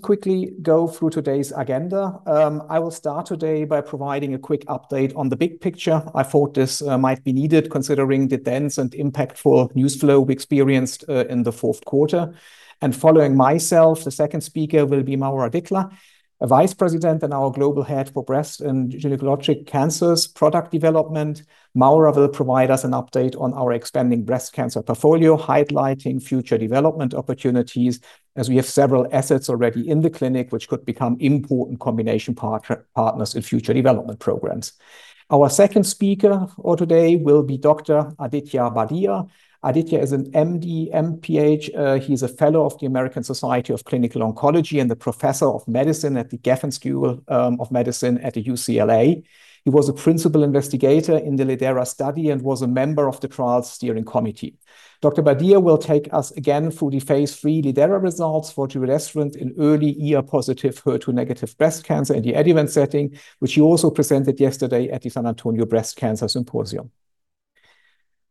Quickly go through today's agenda. I will start today by providing a quick update on the big picture. I thought this might be needed, considering the dense and impactful news flow we experienced in the fourth quarter. Following myself, the second speaker will be Maura Dickler, Vice President and Global Head of Breast and Gynecologic Cancer Product Development. Maura will provide us an update on our expanding breast cancer portfolio, highlighting future development opportunities, as we have several assets already in the clinic which could become important combination partners in future development programs. Our second speaker for today will be Dr. Aditya Bardia. Aditya is an MD, MPH. He is a Fellow of the American Society of Clinical Oncology and a Professor of Medicine at the Geffen School of Medicine at UCLA. He was a Principal Investigator in the lidERA study and was a member of the Trial Steering Committee. Dr. Bardia will take us again through the phase three lidERA results for giredestrant in early ER+ HER2-negative breast cancer in the adjuvant setting, which he also presented yesterday at the San Antonio Breast Cancer Symposium.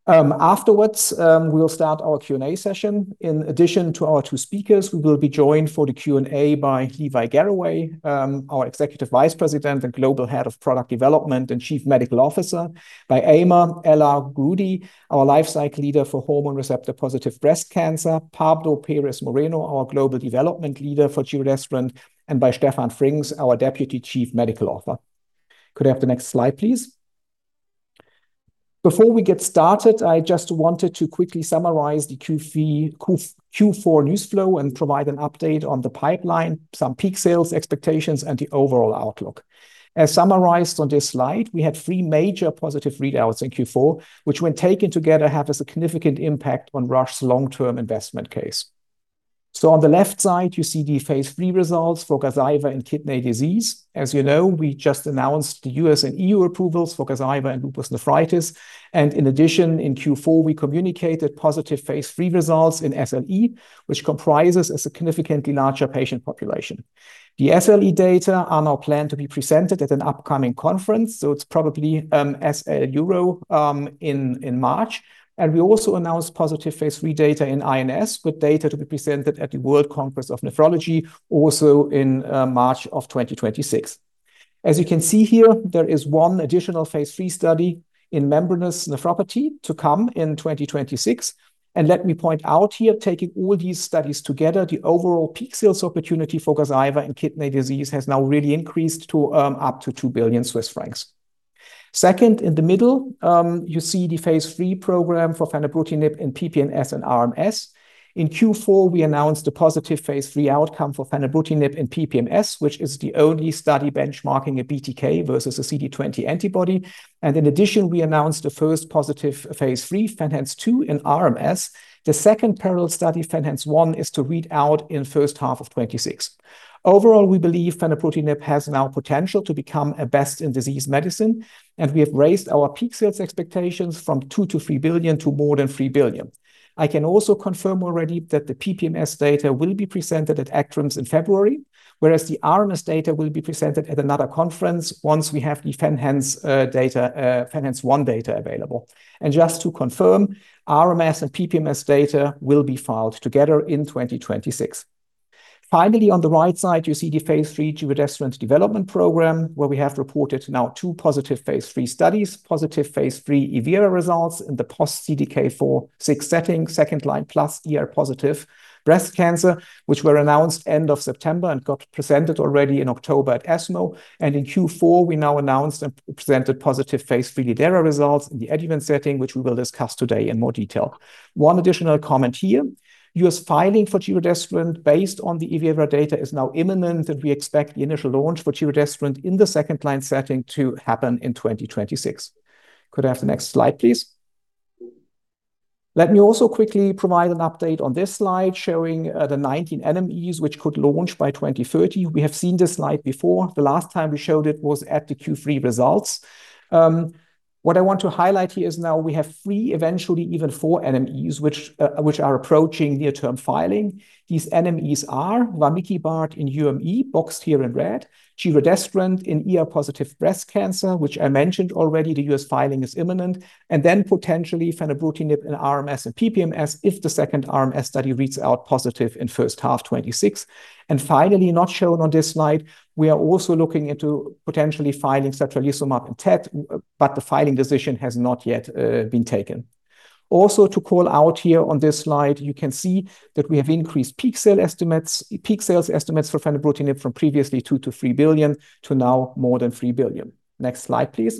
Afterwards, we'll start our Q&A session. In addition to our two speakers, we will be joined for the Q&A by Levi Garraway, our Executive Vice President and Global Head of Product Development and Chief Medical Officer, by Ela Guraidou, our Lifecycle Leader for Hormone Receptor Positive Breast Cancer, Pablo Pérez Moreno, our Global Development Leader for giredestrant, and by Stefan Frings, our Deputy Chief Medical Officer. Could I have the next slide, please? Before we get started, I just wanted to quickly summarize the Q4 news flow and provide an update on the pipeline, some peak sales expectations, and the overall outlook. As summarized on this slide, we had three major positive readouts in Q4, which when taken together have a significant impact on Roche's long-term investment case. On the left side, you see the phase 3 results for Gazyva and kidney disease. As you know, we just announced the U.S. and E.U. approvals for Gazyva and lupus nephritis. And in addition, in Q4, we communicated positive phase 3 results in SLE, which comprises a significantly larger patient population. The SLE data are now planned to be presented at an upcoming conference. It's probably SLEuro in March. We also announced positive phase three data in INS with data to be presented at the World Congress of Nephrology also in March of 2026. As you can see here, there is one additional phase three study in membranous nephropathy to come in 2026. And let me point out here, taking all these studies together, the overall peak sales opportunity for Gazyva and kidney disease has now really increased to up to 2 billion Swiss francs. Second, in the middle, you see the phase three program for fenebrutinib in PPMS and RMS. In Q4, we announced the positive phase three outcome for fenebrutinib in PPMS, which is the only study benchmarking a BTK versus a CD20 antibody. And in addition, we announced the first positive phase three, FENhance 2, in RMS. The second parallel study, FENhance 1, is to read out in the first half of 2026. Overall, we believe fenebrutinib has now potential to become a best-in-disease medicine, and we have raised our peak sales expectations from 2-3 billion to more than 3 billion. I can also confirm already that the PPMS data will be presented at ACTRIMS in February, whereas the RMS data will be presented at another conference once we have the FENhance 1 data available. Just to confirm, RMS and PPMS data will be filed together in 2026. Finally, on the right side, you see the phase three giredestrant development program, where we have reported now two positive phase three studies, positive phase three evERA results in the post-CDK4/6 setting, second line plus positive breast cancer, which were announced end of September and got presented already in October at ESMO. In Q4, we now announced and presented positive phase 3 lidERA results in the adjuvant setting, which we will discuss today in more detail. One additional comment here, U.S. filing for giredestrant based on the evERA data is now imminent, and we expect the initial launch for giredestrant in the second line setting to happen in 2026. Could I have the next slide, please? Let me also quickly provide an update on this slide showing the 19 NMEs, which could launch by 2030. We have seen this slide before. The last time we showed it was at the Q3 results. What I want to highlight here is now we have three, eventually even four NMEs, which are approaching near-term filing. These NMEs are vamikibart in UME, boxed here in red, giredestrant in positive breast cancer, which I mentioned already, the US filing is imminent, and then potentially fenebrutinib in RMS and PPMS if the second RMS study reads out positive in first half 2026. And finally, not shown on this slide, we are also looking into potentially filing satralizumab in TED, but the filing decision has not yet been taken. Also to call out here on this slide, you can see that we have increased peak sales estimates for fenebrutinib from previously 2-3 billion to now more than 3 billion. Next slide, please.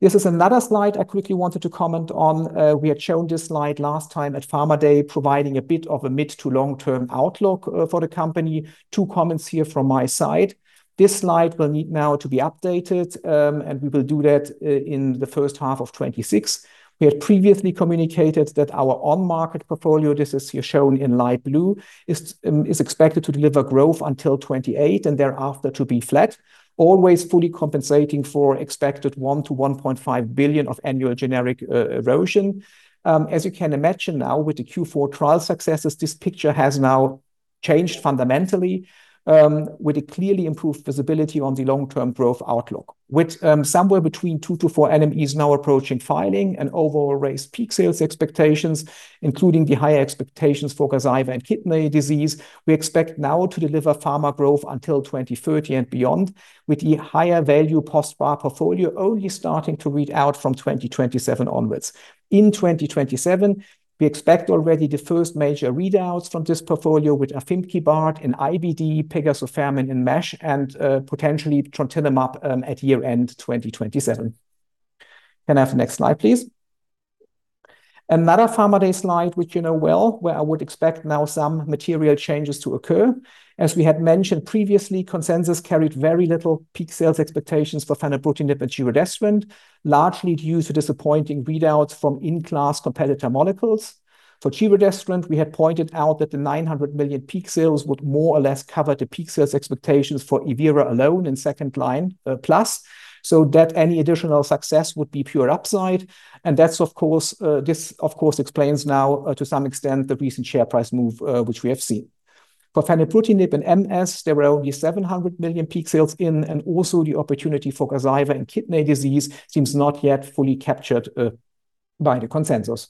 This is another slide I quickly wanted to comment on. We had shown this slide last time at PharmaDay, providing a bit of a mid to long-term outlook for the company. Two comments here from my side. This slide will need now to be updated, and we will do that in the first half of 2026. We had previously communicated that our on-market portfolio, this is here shown in light blue, is expected to deliver growth until 2028 and thereafter to be flat, always fully compensating for expected 1-1.5 billion of annual generic erosion. As you can imagine now with the Q4 trial successes, this picture has now changed fundamentally with a clearly improved visibility on the long-term growth outlook. With somewhere between 2-4 NMEs now approaching filing and overall raised peak sales expectations, including the higher expectations for Gazyva and kidney disease, we expect now to deliver pharma growth until 2030 and beyond, with the higher value post-bar portfolio only starting to read out from 2027 onwards. In 2027, we expect already the first major readouts from this portfolio with afimkibart in IBD, pegozafermin in MASH, and potentially Trontinemab at year end 2027. Can I have the next slide, please? Another PharmaDay slide, which you know well, where I would expect now some material changes to occur. As we had mentioned previously, consensus carried very little peak sales expectations for fenebrutinib and giredestrant, largely due to disappointing readouts from in-class competitor molecules. For giredestrant, we had pointed out that the $900 million peak sales would more or less cover the peak sales expectations for evERA alone in second line plus, so that any additional success would be pure upside. And that's, of course, explains now to some extent the recent share price move which we have seen. For fenebrutinib and MS, there were only 700 million peak sales in, and also the opportunity for Gazyva and kidney disease seems not yet fully captured by the consensus.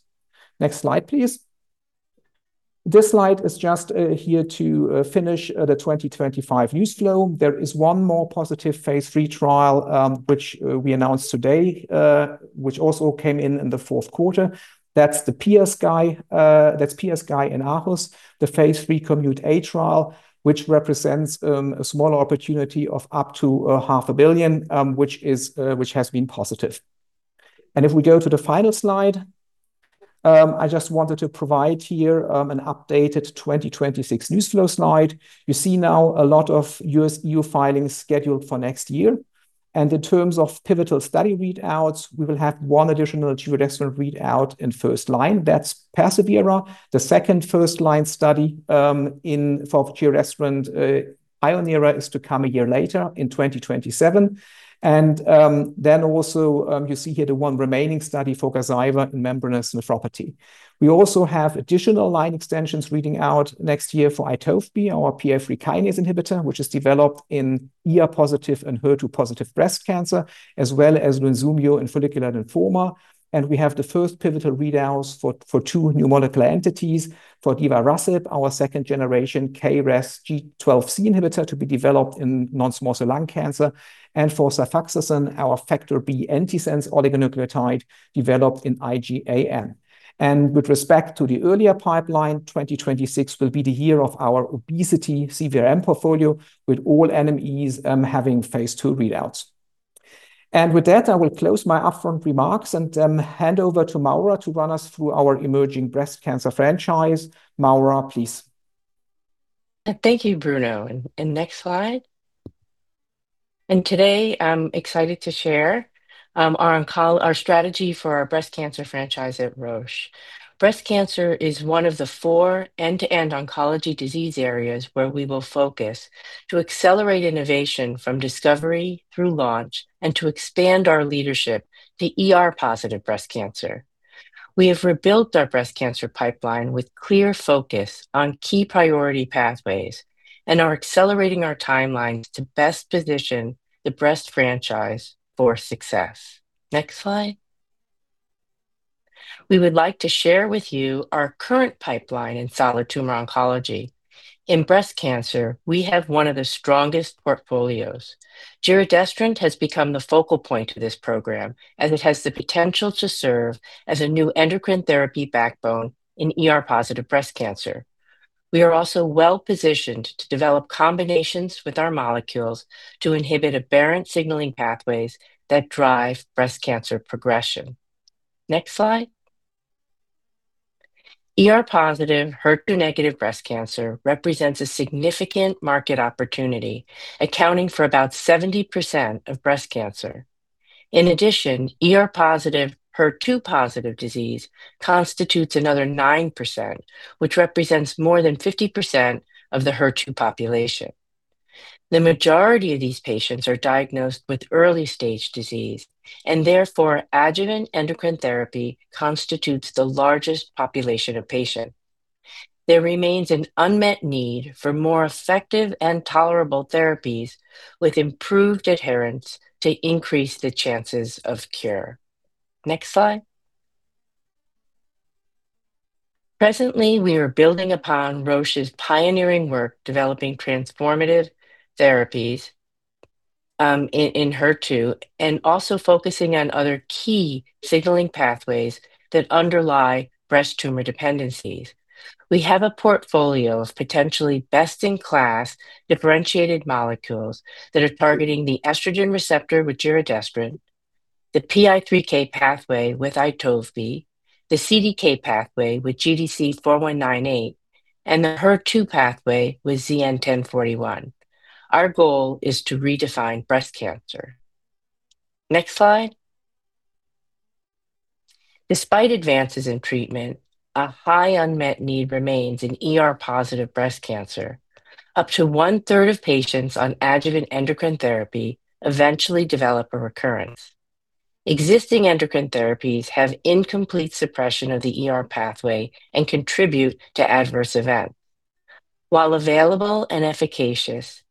Next slide, please. This slide is just here to finish the 2025 news flow. There is one more positive phase 3 trial which we announced today, which also came in in the fourth quarter. That's PiaSky in aHUS, the phase 3 COMMUTE-A trial, which represents a smaller opportunity of up to 500 million, which has been positive. And if we go to the final slide, I just wanted to provide here an updated 2026 news flow slide. You see now a lot of U.S.-E.U. filings scheduled for next year. And in terms of pivotal study readouts, we will have one additional giredestrant readout in first-line. That's persevERA. The second first-line study for giredestrant pionERA is to come a year later in 2027, and then also you see here the one remaining study for Gazyva in membranous nephropathy. We also have additional line extensions reading out next year for Itovebi, our PI3K inhibitor, which is developed in positive and HER2 positive breast cancer, as well as Lunsumio in follicular lymphoma, and we have the first pivotal readouts for two new molecular entities for divarasib, our second generation KRAS G12C inhibitor to be developed in non-small cell lung cancer, and for, our factor B antisense oligonucleotide developed in IgAN. And with respect to the earlier pipeline, 2026 will be the year of our obesity CVRM portfolio, with all NMEs having phase two readouts, and with that, I will close my upfront remarks and hand over to Maura to run us through our emerging breast cancer franchise. Maura, please. Thank you, Bruno. Next slide. Today, I'm excited to share our strategy for our breast cancer franchise at Roche. Breast cancer is one of the four end-to-end oncology disease areas where we will focus to accelerate innovation from discovery through launch and to expand our leadership in ER+ breast cancer. We have rebuilt our breast cancer pipeline with clear focus on key priority pathways and are accelerating our timeline to best position the breast franchise for success. Next slide. We would like to share with you our current pipeline in solid tumor oncology. In breast cancer, we have one of the strongest portfolios. giredestrant has become the focal point of this program, as it has the potential to serve as a new endocrine therapy backbone in ER+ breast cancer. We are also well positioned to develop combinations with our molecules to inhibit aberrant signaling pathways that drive breast cancer progression. Next slide. ER+ HER2-negative breast cancer represents a significant market opportunity, accounting for about 70% of breast cancer. In addition, ER+ HER2-positive disease constitutes another 9%, which represents more than 50% of the HER2 population. The majority of these patients are diagnosed with early stage disease, and therefore adjuvant endocrine therapy constitutes the largest population of patients. There remains an unmet need for more effective and tolerable therapies with improved adherence to increase the chances of cure. Next slide. Presently, we are building upon Roche's pioneering work developing transformative therapies in HER2 and also focusing on other key signaling pathways that underlie breast tumor dependencies. We have a portfolio of potentially best in class differentiated molecules that are targeting the estrogen receptor with giredestrant, the PI3K pathway with Itovebi, the CDK pathway with GDC-4198, and the HER2 pathway with ZN-A-1041. Our goal is to redefine breast cancer. Next slide. Despite advances in treatment, a high unmet need remains in positive breast cancer. Up to 1/3 of patients on adjuvant endocrine therapy eventually develop a recurrence. Existing endocrine therapies have incomplete suppression of the pathway and contribute to adverse events. While available and efficacious,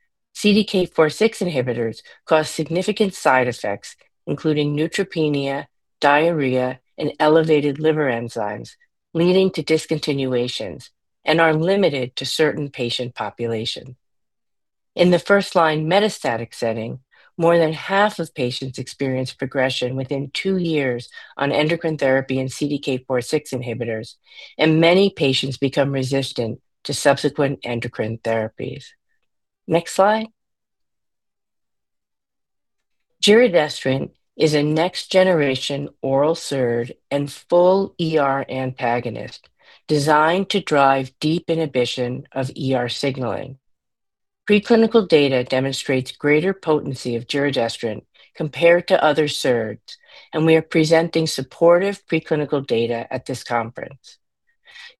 CDK4/6 inhibitors cause significant side effects, including neutropenia, diarrhea, and elevated liver enzymes, leading to discontinuations and are limited to certain patient populations. In the first line metastatic setting, more than half of patients experience progression within two years on endocrine therapy and CDK4/6 inhibitors, and many patients become resistant to subsequent endocrine therapies. Next slide. giredestrant is a next generation oral SERD and full antagonist designed to drive deep inhibition of signaling. Preclinical data demonstrates greater potency of giredestrant compared to other SERDs, and we are presenting supportive preclinical data at this conference.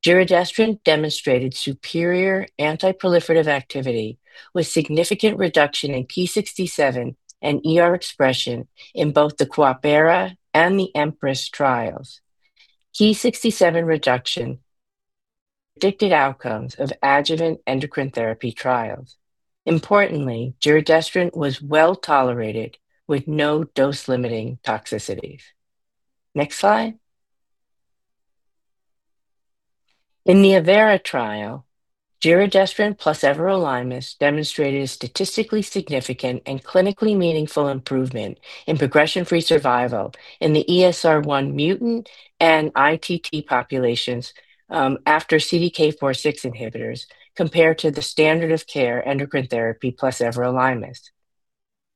giredestrant demonstrated superior anti-proliferative activity with significant reduction in Ki67 and expression in both the coopERA and the EMPRESS trials. Ki67 reduction predicted outcomes of adjuvant endocrine therapy trials. Importantly, giredestrant was well tolerated with no dose limiting toxicities. Next slide. In the evERA trial, giredestrant plus everolimus demonstrated a statistically significant and clinically meaningful improvement in progression-free survival in the ESR1 mutant and ITT populations after CDK4/6 inhibitors compared to the standard of care endocrine therapy plus everolimus.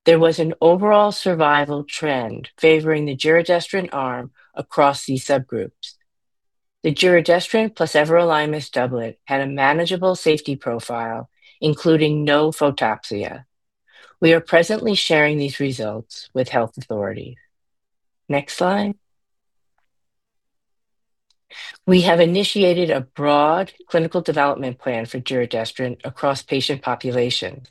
There was an overall survival trend favoring the giredestrant arm across these subgroups. The giredestrant plus everolimus doublet had a manageable safety profile, including no photopsia. We are presently sharing these results with health authorities. Next slide. We have initiated a broad clinical development plan for giredestrant across patient populations.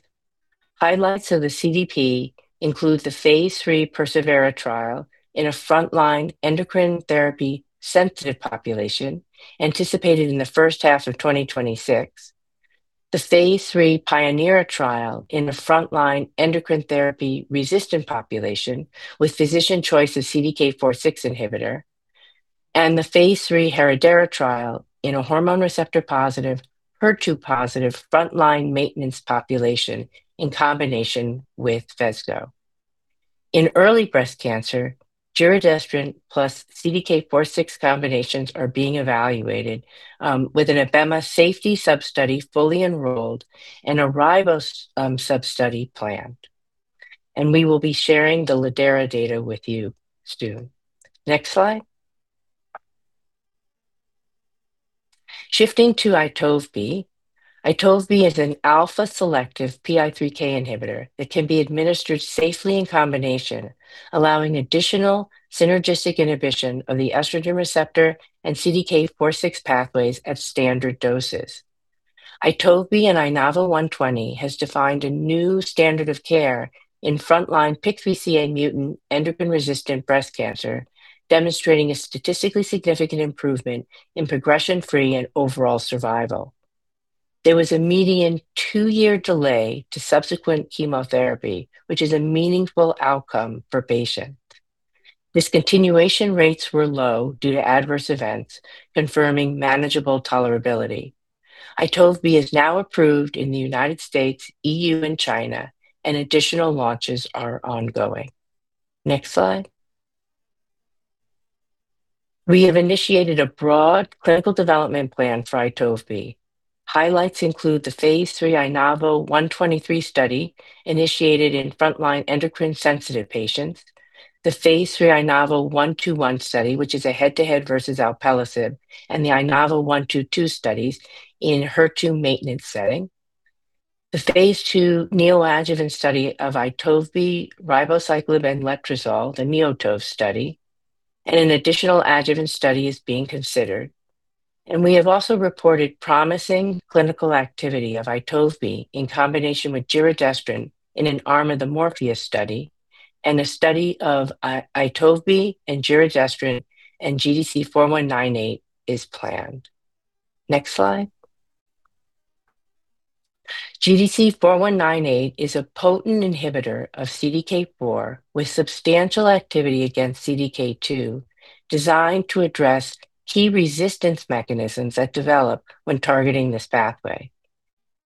Highlights of the CDP include the phase three persevERA trial in a front line endocrine therapy sensitive population anticipated in the first half of 2026, the phase three pionERA trial in a front line endocrine therapy resistant population with physician choice of CDK4/6 inhibitor, and the phase three heredERA trial in a hormone receptor positive, HER2 positive front line maintenance population in combination with Phesgo. In early breast cancer, giredestrant plus CDK4/6 combinations are being evaluated with an Abema safety sub-study fully enrolled and a RIVOST sub-study planned. We will be sharing the lidERA data with you soon. Next slide. Shifting to Itovebi. Itovebi is an alpha selective PI3K inhibitor that can be administered safely in combination, allowing additional synergistic inhibition of the estrogen receptor and CDK4/6 pathways at standard doses. Itovebi and INAVO120 has defined a new standard of care in front line PIK3CA mutant endocrine resistant breast cancer, demonstrating a statistically significant improvement in progression-free and overall survival. There was a median two-year delay to subsequent chemotherapy, which is a meaningful outcome for patients. Discontinuation rates were low due to adverse events, confirming manageable tolerability. Itovebi is now approved in the United States, E.U., and China, and additional launches are ongoing. Next slide. We have initiated a broad clinical development plan for Itovebi. Highlights include the phase three INAVO123 study initiated in front line endocrine sensitive patients, the phase three INAVO121 study, which is a head-to-head versus alpelisib, and the INAVO122 studies in HER2 maintenance setting. The phase two neoadjuvant study of Itovebi, ribociclib, and letrozole, the neoTOV study, and an additional adjuvant study is being considered, and we have also reported promising clinical activity of Itovebi in combination with giredestrant in an arm of the Morpheus study, and a study of Itovebi and giredestrant and GDC-4198 is planned. Next slide. GDC-4198 is a potent inhibitor of CDK4 with substantial activity against CDK2, designed to address key resistance mechanisms that develop when targeting this pathway.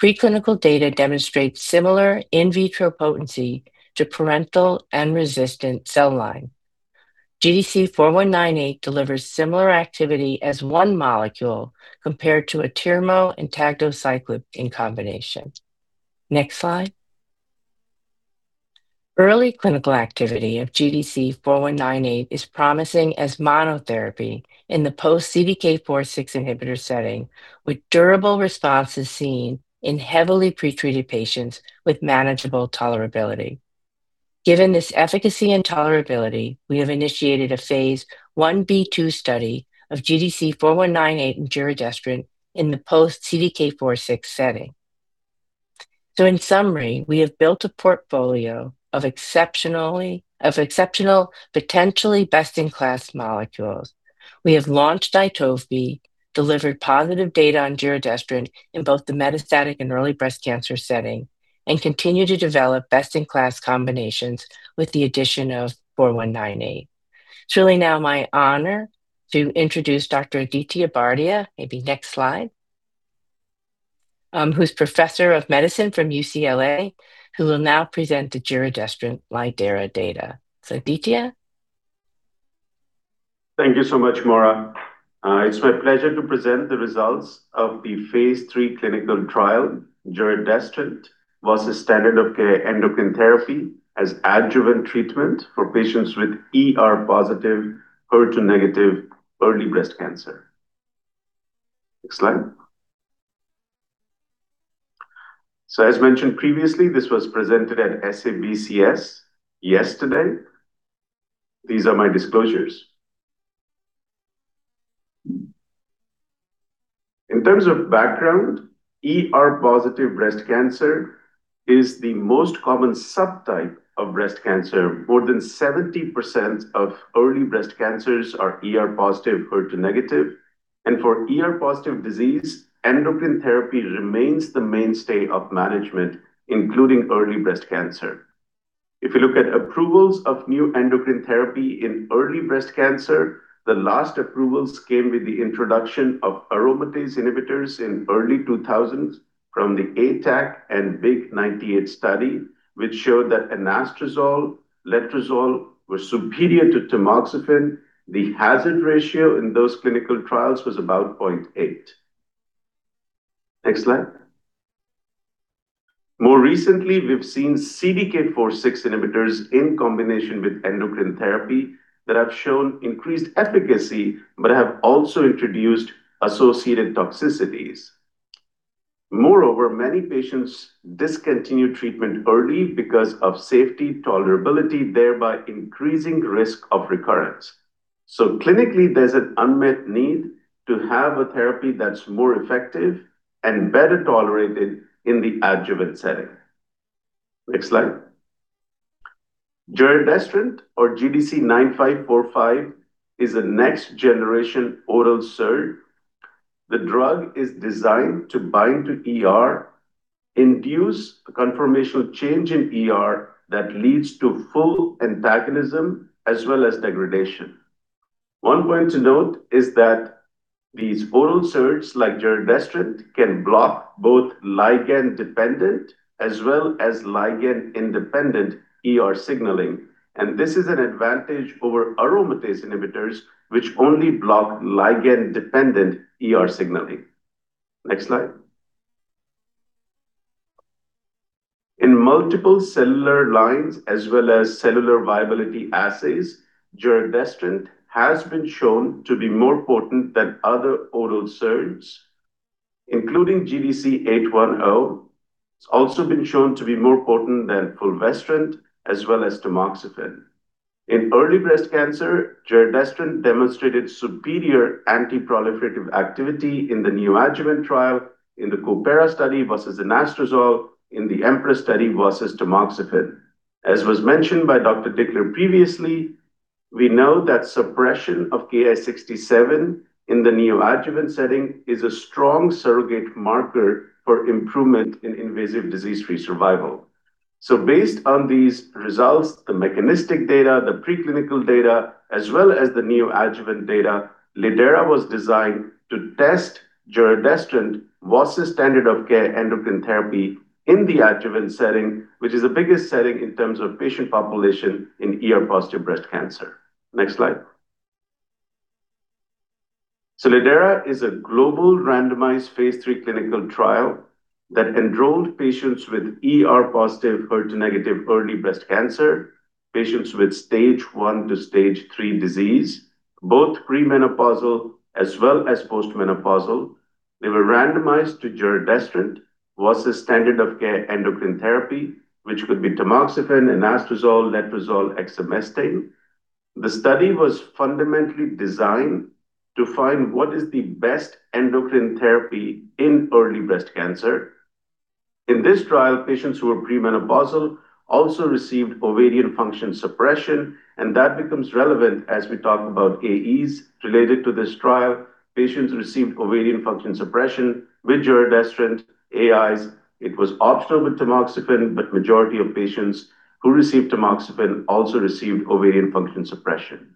Preclinical data demonstrates similar in vitro potency to parental and resistant cell line. GDC-4198 delivers similar activity as one molecule compared to atirmociclib and palbociclib in combination. Next slide. Early clinical activity of GDC-4198 is promising as monotherapy in the post-CDK4/6 inhibitor setting, with durable responses seen in heavily pretreated patients with manageable tolerability. Given this efficacy and tolerability, we have initiated a phase 1b/2 study of GDC-4198 and giredestrant in the post-CDK4/6 setting. So in summary, we have built a portfolio of exceptionally potentially best in class molecules. We have launched Itovebi, delivered positive data on giredestrant in both the metastatic and early breast cancer setting, and continue to develop best in class combinations with the addition of 4198. It's really now my honor to introduce Dr. Aditya Bardia, maybe next slide, who's professor of medicine from UCLA, who will now present the giredestrant lidERA data. So Aditya. Thank you so much, Maura. It's my pleasure to present the results of the phase three clinical trial, giredestrant versus standard of care endocrine therapy as adjuvant treatment for patients with ER+, HER2-negative early breast cancer. Next slide. So as mentioned previously, this was presented at SABCS yesterday. These are my disclosures. In terms of background, positive breast cancer is the most common subtype of breast cancer. More than 70% of early breast cancers are positive, HER2-negative. And for positive disease, endocrine therapy remains the mainstay of management, including early breast cancer. If you look at approvals of new endocrine therapy in early breast cancer, the last approvals came with the introduction of aromatase inhibitors in early 2000s from the ATAC and BIG 1-98 study, which showed that anastrozole and letrozole were superior to tamoxifen. The hazard ratio in those clinical trials was about 0.8. Next slide. More recently, we've seen CDK4/6 inhibitors in combination with endocrine therapy that have shown increased efficacy, but have also introduced associated toxicities. Moreover, many patients discontinue treatment early because of safety tolerability, thereby increasing risk of recurrence. So clinically, there's an unmet need to have a therapy that's more effective and better tolerated in the adjuvant setting. Next slide. giredestrant or GDC-9545 is a next generation oral SERD. The drug is designed to bind to induce a conformational change in that leads to full antagonism as well as degradation. One point to note is that these oral SERDs like giredestrant can block both ligand dependent as well as ligand independent signaling, and this is an advantage over aromatase inhibitors, which only block ligand dependent signaling. Next slide. In multiple cell lines as well as cell viability assays, giredestrant has been shown to be more potent than other oral SERDs, including GDC-0810. It's also been shown to be more potent than fulvestrant as well as tamoxifen. In early breast cancer, giredestrant demonstrated superior anti-proliferative activity in the neoadjuvant trial in the coopERA study versus anastrozole in the EMPRESS study versus tamoxifen. As was mentioned by Dr. Dickler previously, we know that suppression of Ki67 in the neoadjuvant setting is a strong surrogate marker for improvement in invasive disease-free survival. So based on these results, the mechanistic data, the preclinical data, as well as the neoadjuvant data, lidERA was designed to test giredestrant versus standard of care endocrine therapy in the adjuvant setting, which is the biggest setting in terms of patient population in positive breast cancer. Next slide. lidERA is a global randomized phase 3 clinical trial that enrolled patients with ER+, HER2-negative early breast cancer, patients with stage 1 to stage 3 disease, both premenopausal as well as postmenopausal. They were randomized to giredestrant versus standard of care endocrine therapy, which could be tamoxifen, anastrozole, letrozole, exemestane. The study was fundamentally designed to find what is the best endocrine therapy in early breast cancer. In this trial, patients who were premenopausal also received ovarian function suppression, and that becomes relevant as we talk about AEs related to this trial. Patients received ovarian function suppression with giredestrant, AIs. It was optional with tamoxifen, but the majority of patients who received tamoxifen also received ovarian function suppression.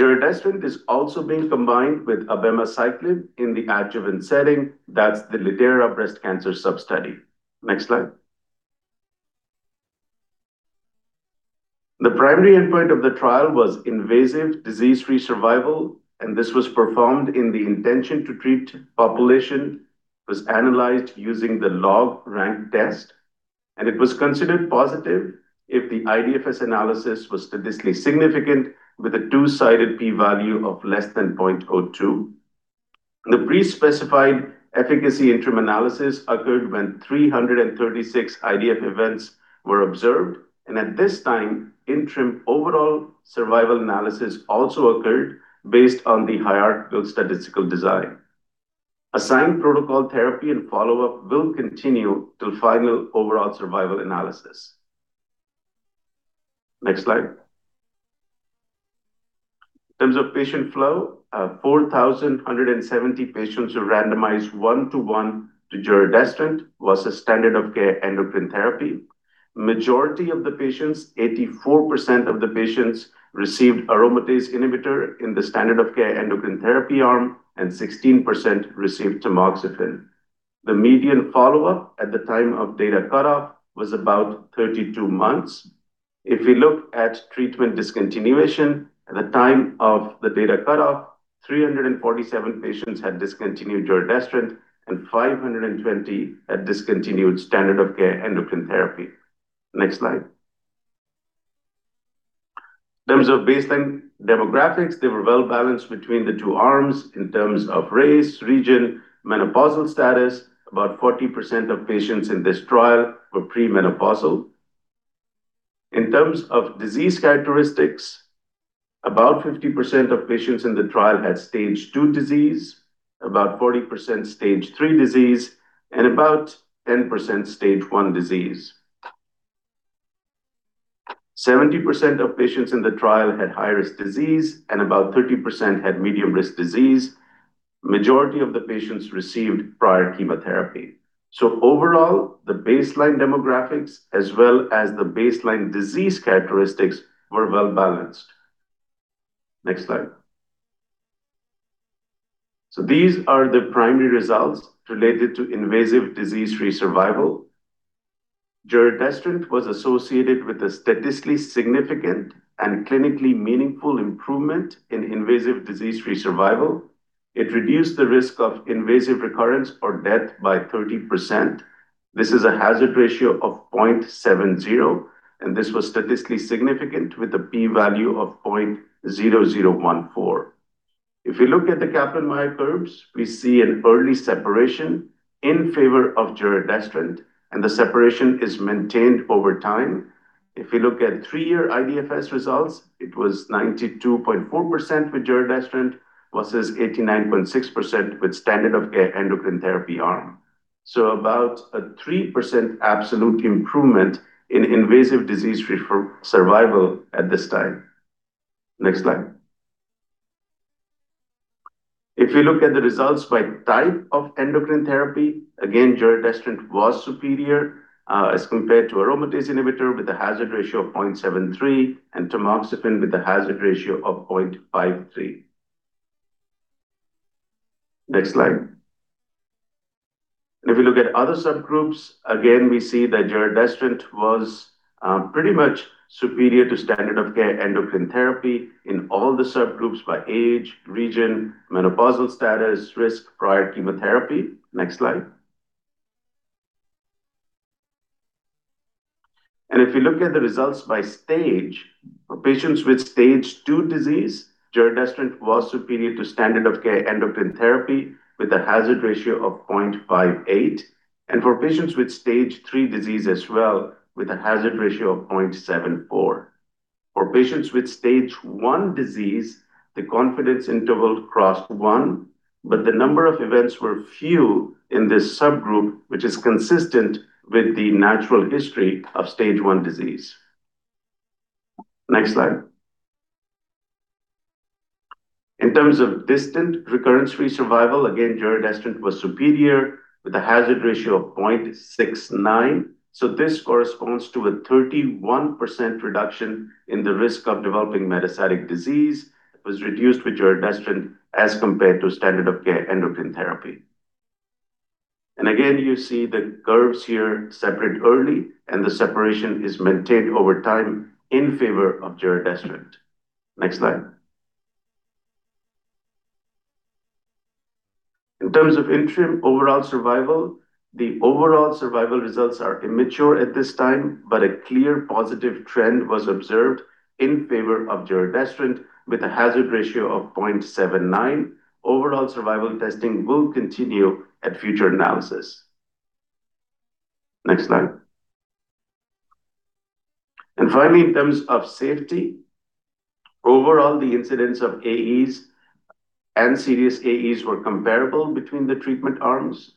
giredestrant is also being combined with in the adjuvant setting. That's the lidERA breast cancer sub-study. Next slide. The primary endpoint of the trial was invasive disease-free survival, and this was performed in the intention to treat population. It was analyzed using the log rank test, and it was considered positive if the IDFS analysis was statistically significant with a two-sided p-value of less than 0.02. The pre-specified efficacy interim analysis occurred when 336 IDFS events were observed, and at this time, interim overall survival analysis also occurred based on the hierarchical statistical design. Assigned protocol therapy and follow-up will continue till final overall survival analysis. Next slide. In terms of patient flow, 4,170 patients were randomized one-to-one to giredestrant versus standard of care endocrine therapy. Majority of the patients, 84% of the patients, received aromatase inhibitor in the standard of care endocrine therapy arm, and 16% received tamoxifen. The median follow-up at the time of data cutoff was about 32 months. If we look at treatment discontinuation at the time of the data cutoff, 347 patients had discontinued giredestrant and 520 had discontinued standard of care endocrine therapy. Next slide. In terms of baseline demographics, they were well balanced between the two arms in terms of race, region, menopausal status. About 40% of patients in this trial were premenopausal. In terms of disease characteristics, about 50% of patients in the trial had stage two disease, about 40% stage three disease, and about 10% stage one disease. 70% of patients in the trial had high-risk disease and about 30% had medium-risk disease. Majority of the patients received prior chemotherapy. So overall, the baseline demographics as well as the baseline disease characteristics were well balanced. Next slide. So these are the primary results related to invasive disease-free survival. giredestrant was associated with a statistically significant and clinically meaningful improvement in invasive disease-free survival. It reduced the risk of invasive recurrence or death by 30%. This is a hazard ratio of 0.70, and this was statistically significant with a p-value of 0.0014. If we look at the Kaplan-Meier curves, we see an early separation in favor of giredestrant, and the separation is maintained over time. If you look at three-year IDFS results, it was 92.4% with giredestrant versus 89.6% with standard of care endocrine therapy arm. So about a 3% absolute improvement in invasive disease-free survival at this time. Next slide. If we look at the results by type of endocrine therapy, again, giredestrant was superior as compared to aromatase inhibitor with a hazard ratio of 0.73 and tamoxifen with a hazard ratio of 0.53. Next slide. If we look at other subgroups, again, we see that giredestrant was pretty much superior to standard of care endocrine therapy in all the subgroups by age, region, menopausal status, risk, prior chemotherapy. Next slide. If we look at the results by stage, for patients with stage two disease, giredestrant was superior to standard of care endocrine therapy with a hazard ratio of 0.58, and for patients with stage three disease as well, with a hazard ratio of 0.74. For patients with stage one disease, the confidence interval crossed one, but the number of events were few in this subgroup, which is consistent with the natural history of stage one disease. Next slide. In terms of distant recurrence-free survival, again, giredestrant was superior with a hazard ratio of 0.69. So this corresponds to a 31% reduction in the risk of developing metastatic disease that was reduced with giredestrant as compared to standard of care endocrine therapy. And again, you see the curves here separate early, and the separation is maintained over time in favor of giredestrant. Next slide. In terms of interim overall survival, the overall survival results are immature at this time, but a clear positive trend was observed in favor of giredestrant with a hazard ratio of 0.79. Overall survival testing will continue at future analysis. Next slide. And finally, in terms of safety, overall, the incidence of AEs and serious AEs were comparable between the treatment arms.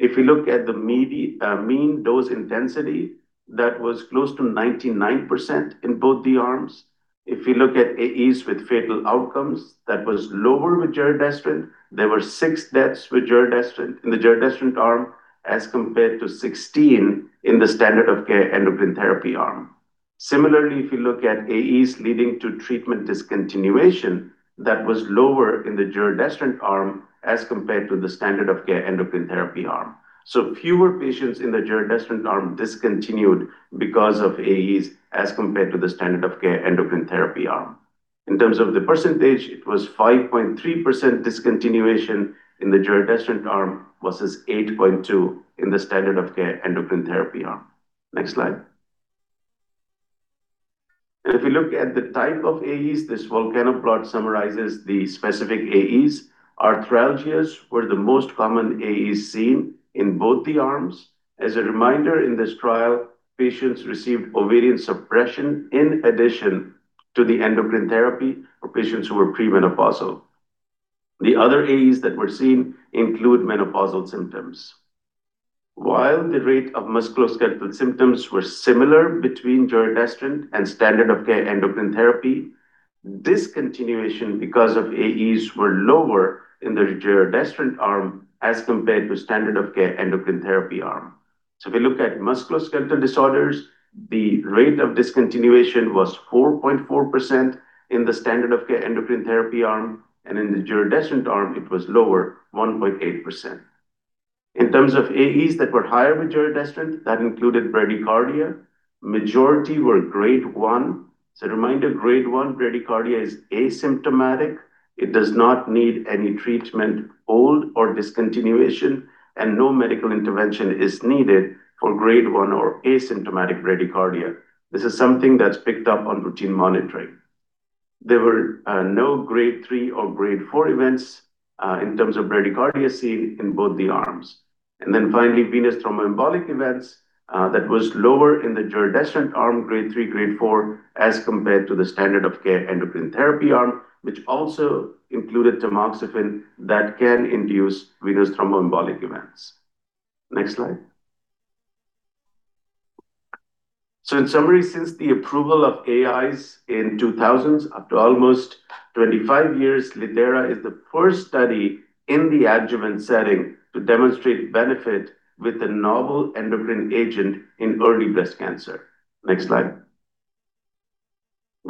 If we look at the mean dose intensity, that was close to 99% in both the arms. If we look at AEs with fatal outcomes, that was lower with giredestrant. There were six deaths with giredestrant in the giredestrant arm as compared to 16 in the standard of care endocrine therapy arm. Similarly, if you look at AEs leading to treatment discontinuation, that was lower in the giredestrant arm as compared to the standard of care endocrine therapy arm. So fewer patients in the giredestrant arm discontinued because of AEs as compared to the standard of care endocrine therapy arm. In terms of the percentage, it was 5.3% discontinuation in the giredestrant arm versus 8.2% in the standard of care endocrine therapy arm. Next slide. And if we look at the type of AEs, this Volcano Plot summarizes the specific AEs. Arthralgias were the most common AEs seen in both the arms. As a reminder, in this trial, patients received ovarian suppression in addition to the endocrine therapy for patients who were premenopausal. The other AEs that were seen include menopausal symptoms. While the rate of musculoskeletal symptoms was similar between giredestrant and standard of care endocrine therapy, discontinuation because of AEs was lower in the giredestrant arm as compared to standard of care endocrine therapy arm. So if we look at musculoskeletal disorders, the rate of discontinuation was 4.4% in the standard of care endocrine therapy arm, and in the giredestrant arm, it was lower, 1.8%. In terms of AEs that were higher with giredestrant, that included bradycardia. Majority were grade one. As a reminder, grade one bradycardia is asymptomatic. It does not need any treatment, hold, or discontinuation, and no medical intervention is needed for grade one or asymptomatic bradycardia. This is something that's picked up on routine monitoring. There were no grade three or grade four events in terms of bradycardia seen in both the arms. And then finally, venous thromboembolic events. That was lower in the giredestrant arm, grade three, grade four, as compared to the standard of care endocrine therapy arm, which also included tamoxifen that can induce venous thromboembolic events. Next slide. So in summary, since the approval of AIs in 2000s up to almost 25 years, lidERA is the first study in the adjuvant setting to demonstrate benefit with a novel endocrine agent in early breast cancer. Next slide.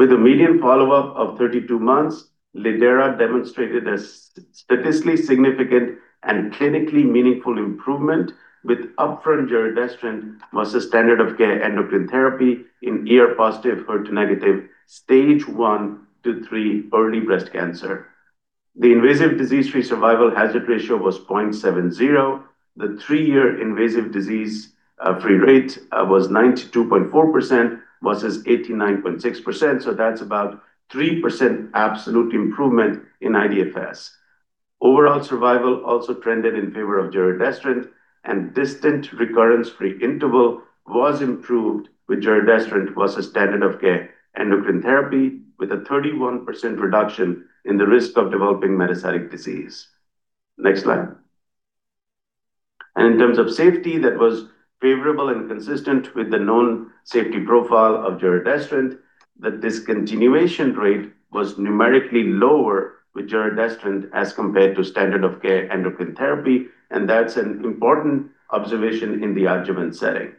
With a median follow-up of 32 months, lidERA demonstrated a statistically significant and clinically meaningful improvement with upfront giredestrant versus standard of care endocrine therapy in positive, HER2-negative stage one to three early breast cancer. The invasive disease-free survival hazard ratio was 0.70. The three-year invasive disease-free rate was 92.4% versus 89.6%. So that's about 3% absolute improvement in IDFS. Overall survival also trended in favor of giredestrant, and distant recurrence-free interval was improved with giredestrant versus standard of care endocrine therapy with a 31% reduction in the risk of developing metastatic disease. Next slide. And in terms of safety, that was favorable and consistent with the known safety profile of giredestrant. The discontinuation rate was numerically lower with giredestrant as compared to standard of care endocrine therapy, and that's an important observation in the adjuvant setting.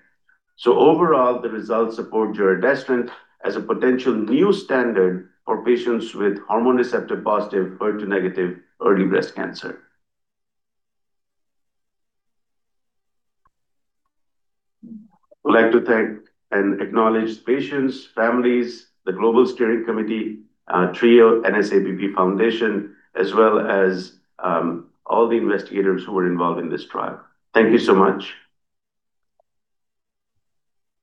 So overall, the results support giredestrant as a potential new standard for patients with hormone receptor positive, HER2 negative early breast cancer. I'd like to thank and acknowledge the patients, families, the Global Steering Committee, TRIO NSABP Foundation, as well as all the investigators who were involved in this trial. Thank you so much.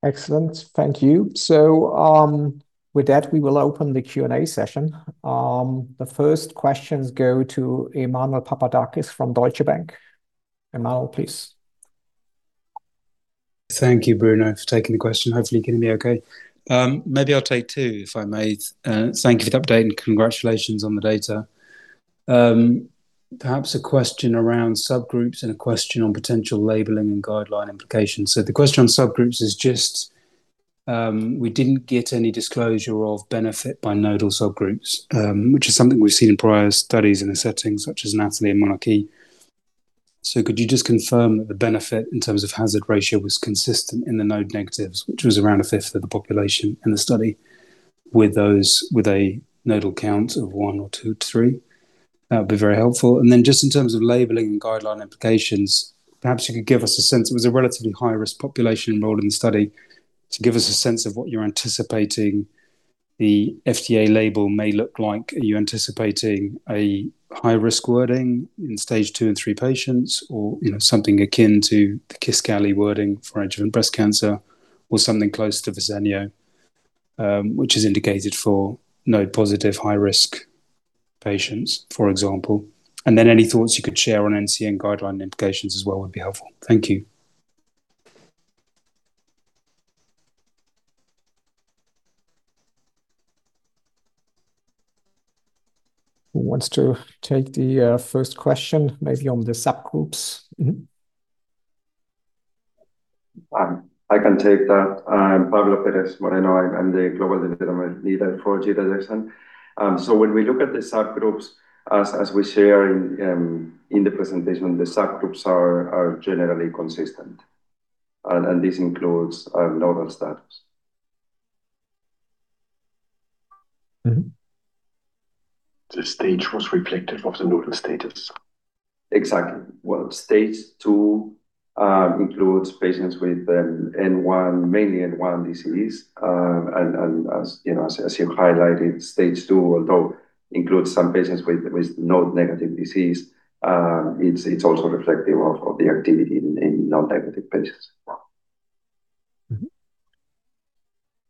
Excellent. Thank you. So with that, we will open the Q&A session. The first questions go to Emmanuel Papadakis from Deutsche Bank. Emanuel, please. Thank you, Bruno, for taking the question. Hopefully, you can hear me okay. Maybe I'll take two, if I may. Thank you for the update and congratulations on the data. Perhaps a question around subgroups and a question on potential labeling and guideline implications. So the question on subgroups is just we didn't get any disclosure of benefit by nodal subgroups, which is something we've seen in prior studies in a setting such as NATALEE and monarchE. So could you just confirm that the benefit in terms of hazard ratio was consistent in the node negatives, which was around a fifth of the population in the study with a nodal count of one or two to three? That would be very helpful. And then just in terms of labeling and guideline implications, perhaps you could give us a sense it was a relatively high-risk population enrolled in the study. To give us a sense of what you're anticipating the FDA label may look like, are you anticipating a high-risk wording in stage two and three patients or something akin to the Kisqali wording for adjuvant breast cancer or something close to Verzenio, which is indicated for node positive high-risk patients, for example? And then any thoughts you could share on NCCN guideline implications as well would be helpful. Thank you. Who wants to take the first question maybe on the subgroups? I can take that. I'm Pablo Perez-Moreno. I'm the Global Development Leader for giredestrant. So when we look at the subgroups, as we share in the presentation, the subgroups are generally consistent, and this includes nodal status. The stage was reflective of the nodal status? Exactly. Well, stage two includes patients with mainly N1 disease. And as you highlighted, stage two, although it includes some patients with node negative disease, it's also reflective of the activity in node negative patients.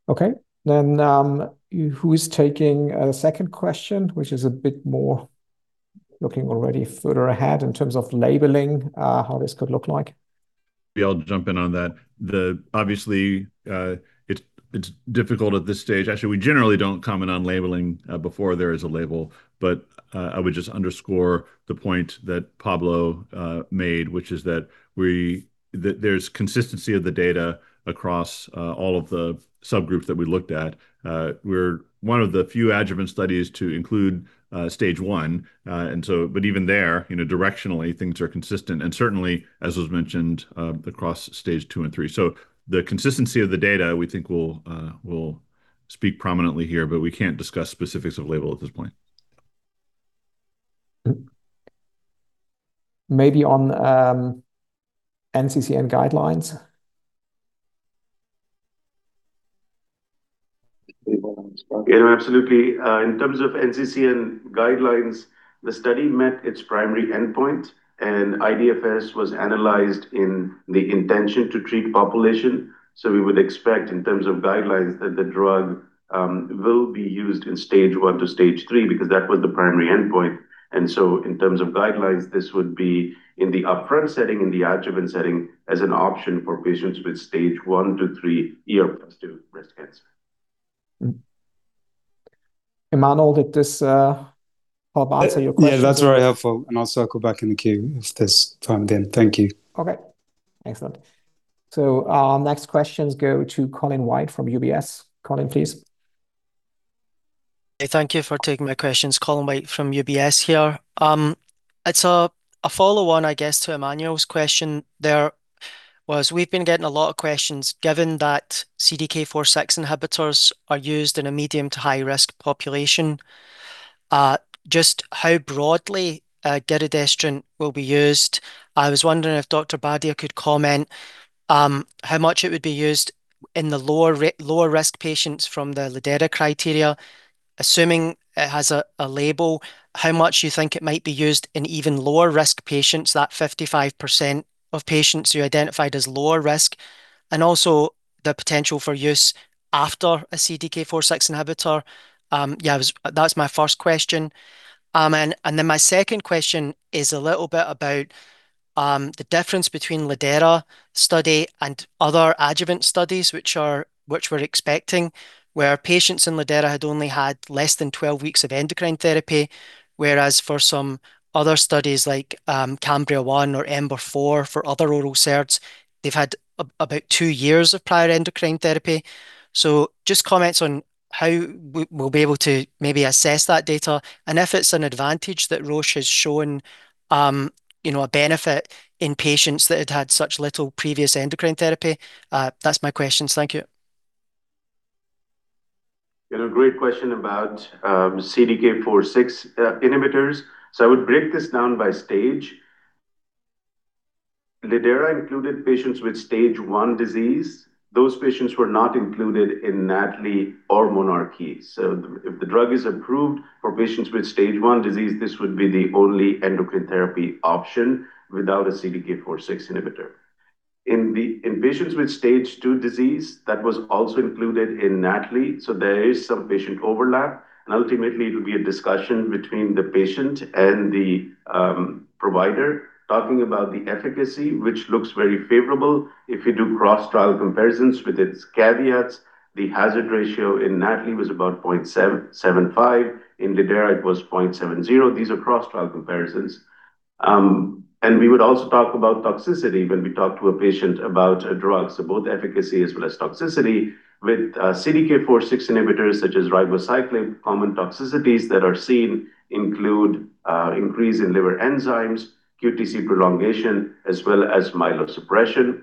Okay. Then who is taking a second question, which is a bit more looking already further ahead in terms of labeling, how this could look like? I'll jump in on that. Obviously, it's difficult at this stage. Actually, we generally don't comment on labeling before there is a label, but I would just underscore the point that Pablo made, which is that there's consistency of the data across all of the subgroups that we looked at. We're one of the few adjuvant studies to include stage one. But even there, directionally, things are consistent, and certainly, as was mentioned, across stage two and three. So the consistency of the data, we think, will speak prominently here, but we can't discuss specifics of label at this point. Maybe on NCCN guidelines? Absolutely. In terms of NCCN guidelines, the study met its primary endpoint, and IDFS was analyzed in the intention to treat population. So we would expect, in terms of guidelines, that the drug will be used in stage one to stage three because that was the primary endpoint. And so in terms of guidelines, this would be in the upfront setting, in the adjuvant setting, as an option for patients with stage one to three positive breast cancer. Emanuel, did this help answer your question? Yeah, that's very helpful. And I'll circle back in the queue if there's time then. Thank you. Okay. Excellent. So our next questions go to Colin White from UBS. Colin, please. Thank you for taking my questions. Colin White from UBS here. It's a follow-on, I guess, to Emmanuel's question there. We've been getting a lot of questions given that CDK4/6 inhibitors are used in a medium to high-risk population. Just how broadly giredestrant will be used? I was wondering if Dr. Bardia could comment how much it would be used in the lower-risk patients from the lidERA criteria, assuming it has a label, how much you think it might be used in even lower-risk patients, that 55% of patients you identified as lower risk, and also the potential for use after a CDK4/6 inhibitor. Yeah, that's my first question. Then my second question is a little bit about the difference between lidERA study and other adjuvant studies, which we're expecting, where patients in lidERA had only had less than 12 weeks of endocrine therapy, whereas for some other studies like CAMBRIA-1 or EMBER-4 for other oral SERDs, they've had about two years of prior endocrine therapy. So just comments on how we'll be able to maybe assess that data. And if it's an advantage that Roche has shown a benefit in patients that had had such little previous endocrine therapy, that's my questions. Thank you. Great question about CDK4/6 inhibitors. So I would break this down by stage. lidERA included patients with stage one disease. Those patients were not included in NATALEE or monarchE. So if the drug is approved for patients with stage one disease, this would be the only endocrine therapy option without a CDK4/6 inhibitor. In patients with stage two disease, that was also included in NATALEE. So there is some patient overlap. And ultimately, it will be a discussion between the patient and the provider talking about the efficacy, which looks very favorable. If you do cross-trial comparisons with its caveats, the hazard ratio in NATALEE was about 0.75. In lidERA, it was 0.70. These are cross-trial comparisons. And we would also talk about toxicity when we talk to a patient about drugs, both efficacy as well as toxicity. With CDK4/6 inhibitors such as ribociclib, common toxicities that are seen include increase in liver enzymes, QTc prolongation, as well as myelosuppression.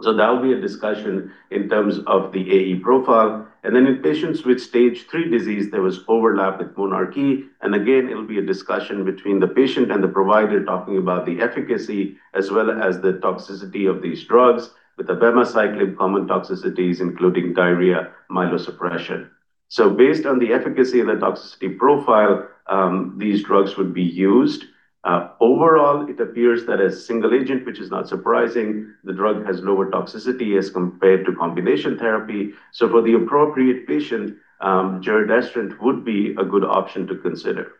So that will be a discussion in terms of the AE profile. And then in patients with stage three disease, there was overlap with monarchE. And again, it'll be a discussion between the patient and the provider talking about the efficacy as well as the toxicity of these drugs with abemaciclib, common toxicities including diarrhea, myelosuppression. So based on the efficacy of the toxicity profile, these drugs would be used. Overall, it appears that as single agent, which is not surprising, the drug has lower toxicity as compared to combination therapy. So for the appropriate patient, giredestrant would be a good option to consider.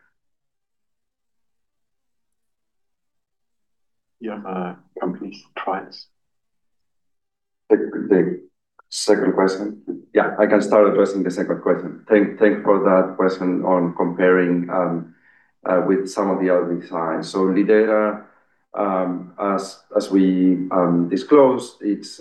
Yeah. Companies try this. Second question. Yeah, I can start addressing the second question. Thank you for that question on comparing with some of the other designs. So lidERA, as we disclosed, it's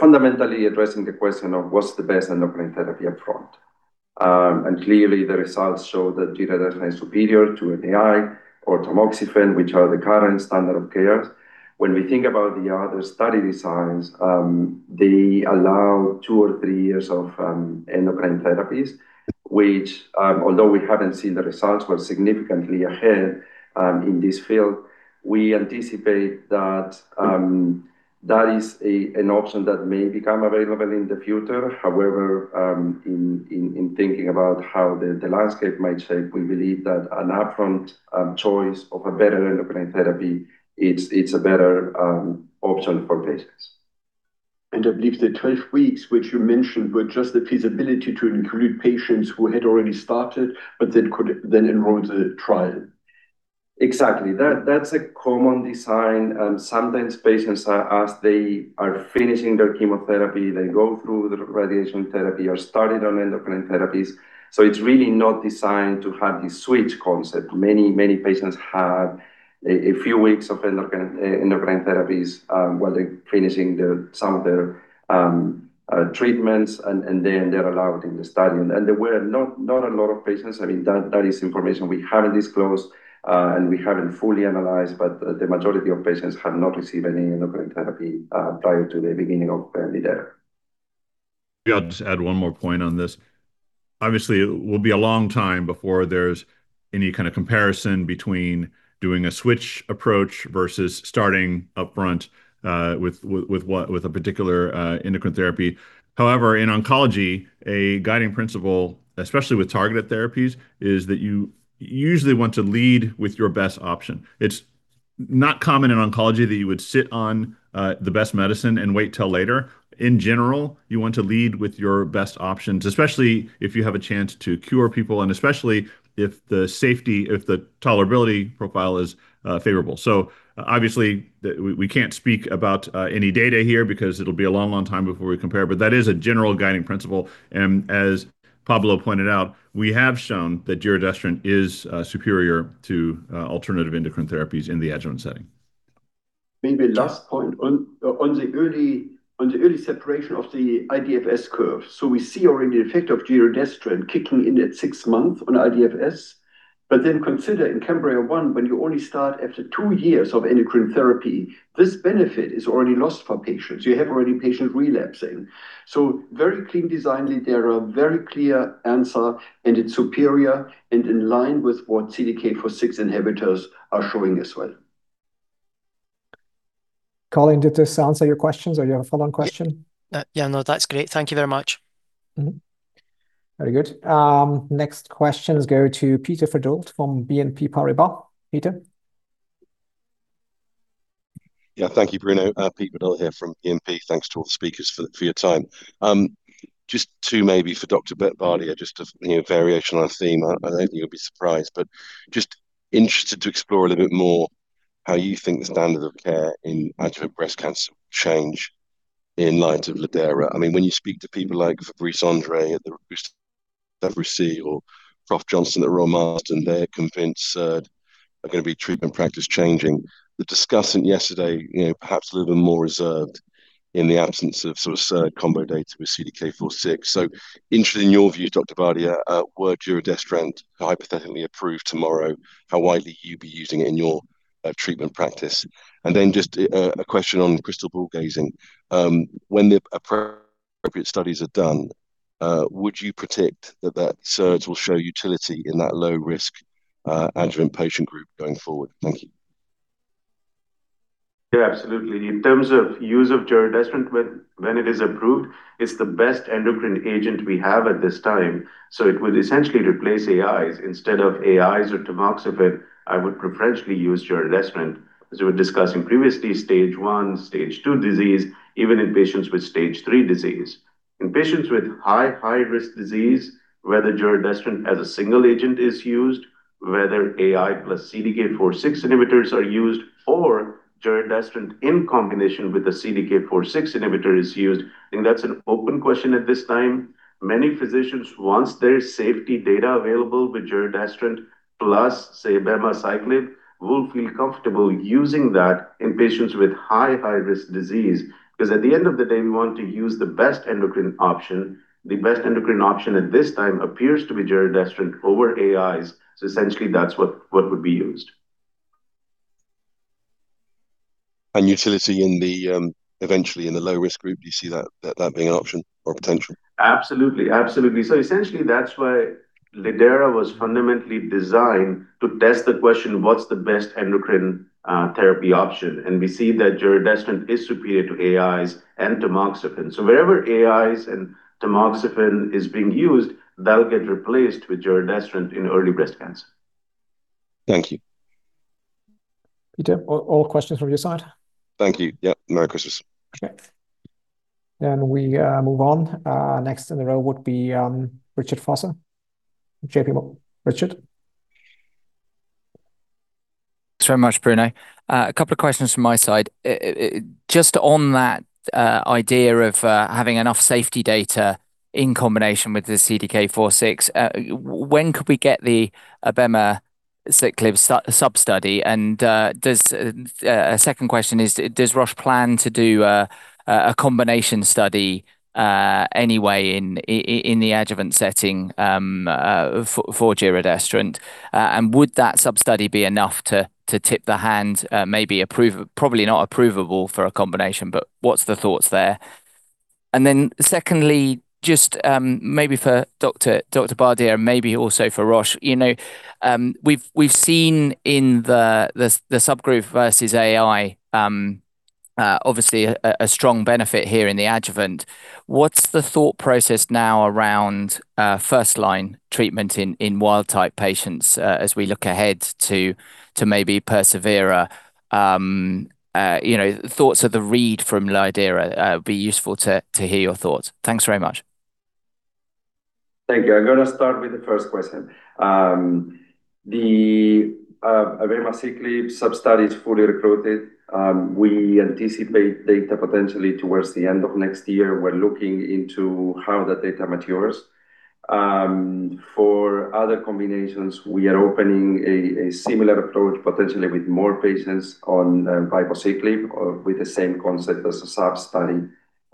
fundamentally addressing the question of what's the best endocrine therapy upfront. Clearly, the results show that giredestrant is superior to AI or tamoxifen, which are the current standard of care. When we think about the other study designs, they allow two or three years of endocrine therapies, which, although we haven't seen the results, were significantly ahead in this field. We anticipate that that is an option that may become available in the future. However, in thinking about how the landscape might shape, we believe that an upfront choice of a better endocrine therapy. It's a better option for patients. I believe the 12 weeks which you mentioned were just the feasibility to include patients who had already started but then enrolled the trial. Exactly. That's a common design. Sometimes patients are asked, they are finishing their chemotherapy, they go through the radiation therapy, are started on endocrine therapies. So it's really not designed to have this switch concept. Many patients have a few weeks of endocrine therapies while they're finishing some of their treatments, and then they're allowed in the study, and there were not a lot of patients. I mean, that is information we haven't disclosed, and we haven't fully analyzed, but the majority of patients have not received any endocrine therapy prior to the beginning of lidERA. Yeah, I'll just add one more point on this. Obviously, it will be a long time before there's any kind of comparison between doing a switch approach versus starting upfront with a particular endocrine therapy. However, in oncology, a guiding principle, especially with targeted therapies, is that you usually want to lead with your best option. It's not common in oncology that you would sit on the best medicine and wait till later. In general, you want to lead with your best options, especially if you have a chance to cure people, and especially if the safety, if the tolerability profile is favorable, so obviously, we can't speak about any data here because it'll be a long, long time before we compare, but that is a general guiding principle, and as Pablo pointed out, we have shown that giredestrant is superior to alternative endocrine therapies in the adjuvant setting. Maybe last point, on the early separation of the IDFS curve, so we see already the effect of giredestrant kicking in at six months on IDFS, but then consider in Cambria One when you only start after two years of endocrine therapy, this benefit is already lost for patients. You have already patients relapsing. So very clean design, lidERA, very clear answer, and it's superior and in line with what CDK4/6 inhibitors are showing as well. Colin, did this answer your questions or your follow-on question? Yeah, no, that's great. Thank you very much. Very good. Next questions go to Peter Verdult from BNP Paribas. Peter? Yeah, thank you, Bruno. Peter Verdult here from BNP. Thanks to all the speakers for your time. Just two maybe for Dr. Bardia, just a variation on a theme. I don't think you'll be surprised, but just interested to explore a little bit more how you think the standard of care in adjuvant breast cancer will change in light of lidERA. I mean, when you speak to people like Fabrice André at Gustave Roussy or Prof. Johnston at Royal Marsden, they're convinced SERD are going to be treatment practice changing. The discussant yesterday, perhaps a little bit more reserved in the absence of sort of SERD combo data with CDK4/6. So interested in your views, Dr. Bardia, were giredestrant hypothetically approved tomorrow, how widely you'd be using it in your treatment practice? And then just a question on crystal ball gazing. When the appropriate studies are done, would you predict that that SERD will show utility in that low-risk adjuvant patient group going forward? Thank you. Yeah, absolutely. In terms of use of giredestrant, when it is approved, it's the best endocrine agent we have at this time. So it would essentially replace AIs. Instead of AIs or tamoxifen, I would preferentially use giredestrant, as we were discussing previously, stage one, stage two disease, even in patients with stage three disease. In patients with high-risk disease, whether giredestrant as a single agent is used, whether AI plus CDK4/6 inhibitors are used, or giredestrant in combination with a CDK4/6 inhibitor is used, I think that's an open question at this time. Many physicians, once there is safety data available with giredestrant plus, say, abemaciclib, will feel comfortable using that in patients with high-risk disease because at the end of the day, we want to use the best endocrine option. The best endocrine option at this time appears to be giredestrant over AIs. So essentially, that's what would be used. And utility in the eventually in the low-risk group, do you see that being an option or potential? Absolutely. Absolutely. So essentially, that's why lidERA was fundamentally designed to test the question, what's the best endocrine therapy option? And we see that giredestrant is superior to AIs and tamoxifen. So wherever AIs and tamoxifen is being used, that'll get replaced with giredestrant in early breast cancer. Thank you. Peter, all questions from your side? Thank you. Yeah, no questions. Okay. Then we move on. Next in the row would be Richard Vosser. JPMorgan. Richard. Thanks very much, Bruno. A couple of questions from my side. Just on that idea of having enough safety data in combination with the CDK4/6, when could we get the abemaciclib sub-study? And a second question is, does Roche plan to do a combination study anyway in the adjuvant setting for giredestrant? And would that sub-study be enough to tip the hand, maybe probably not approvable for a combination, but what's the thoughts there? And then secondly, just maybe for Dr. Bardia and maybe also for Roche, we've seen in the subgroup versus AI, obviously, a strong benefit here in the adjuvant. What's the thought process now around first-line treatment in wild-type patients as we look ahead to maybe persevERA? Thoughts on the readout from lidERA would be useful to hear your thoughts. Thanks very much. Thank you. I'm going to start with the first question. The abemaciclib sub-study is fully recruited. We anticipate data potentially towards the end of next year. We're looking into how the data matures. For other combinations, we are opening a similar approach, potentially with more patients on ribociclib with the same concept as a sub-study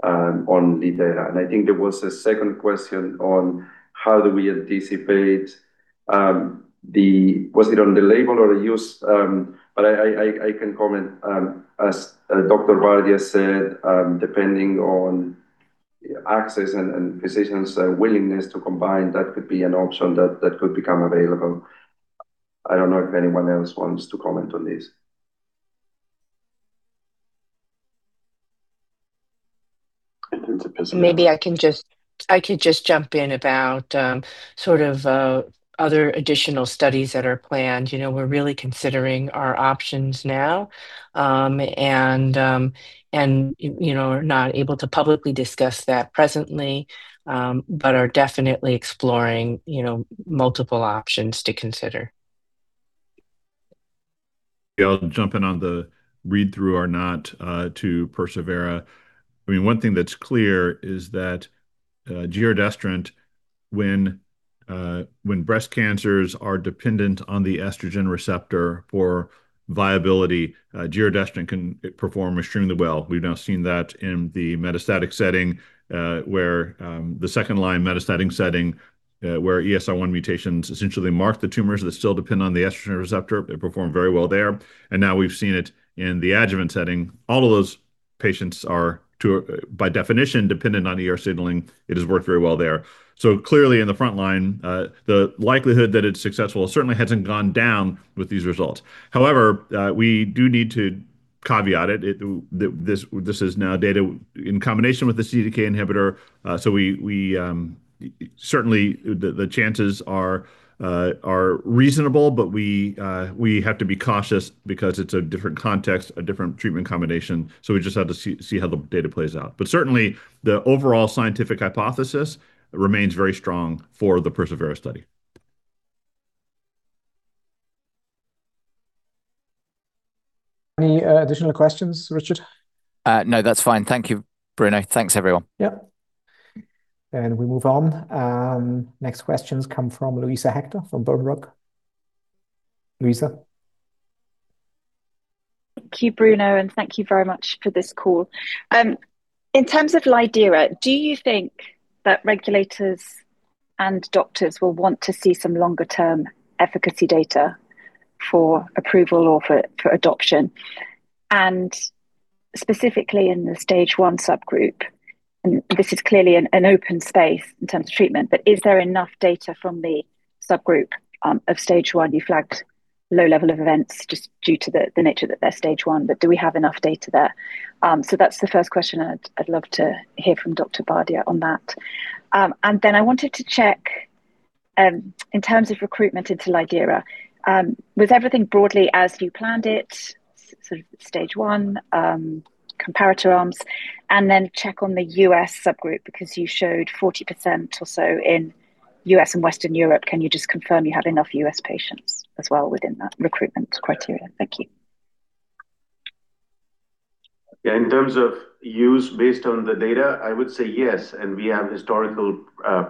on lidERA. And I think there was a second question on how do we anticipate the, was it on the label or the use? But I can comment, as Dr. Bardia said, depending on access and physicians' willingness to combine, that could be an option that could become available. I don't know if anyone else wants to comment on this. Maybe I can just jump in about sort of other additional studies that are planned. We're really considering our options now and are not able to publicly discuss that presently, but are definitely exploring multiple options to consider. Yeah, I'll jump in on the read-through or not to persevERA. I mean, one thing that's clear is that giredestrant, when breast cancers are dependent on the estrogen receptor for viability, giredestrant can perform extremely well. We've now seen that in the metastatic setting where the second-line metastatic setting where ESR1 mutations essentially mark the tumors that still depend on the estrogen receptor. They perform very well there. And now we've seen it in the adjuvant setting. All of those patients are, by definition, dependent on signaling. It has worked very well there. So clearly, in the front line, the likelihood that it's successful certainly hasn't gone down with these results. However, we do need to caveat it. This is now data in combination with the CDK inhibitor. So certainly, the chances are reasonable, but we have to be cautious because it's a different context, a different treatment combination. So we just have to see how the data plays out. But certainly, the overall scientific hypothesis remains very strong for the persevERA study. Any additional questions, Richard? No, that's fine. Thank you, Bruno. Thanks, everyone. Yep, and we move on. Next questions come from Luisa Hector from Berenberg. Luisa? Thank you, Bruno, and thank you very much for this call. In terms of lidERA, do you think that regulators and doctors will want to see some longer-term efficacy data for approval or for adoption? Specifically in the stage one subgroup, and this is clearly an open space in terms of treatment, but is there enough data from the subgroup of stage one? You flagged low level of events just due to the nature that they're stage one, but do we have enough data there? So that's the first question, and I'd love to hear from Dr. Bardia on that. Then I wanted to check in terms of recruitment into lidERA. Was everything broadly as you planned it, sort of stage one, comparator arms? Then check on the U.S. subgroup because you showed 40% or so in U.S. and Western Europe. Can you just confirm you have enough U.S. patients as well within that recruitment criteria? Thank you. Yeah, in terms of U.S. based on the data, I would say yes. We have historical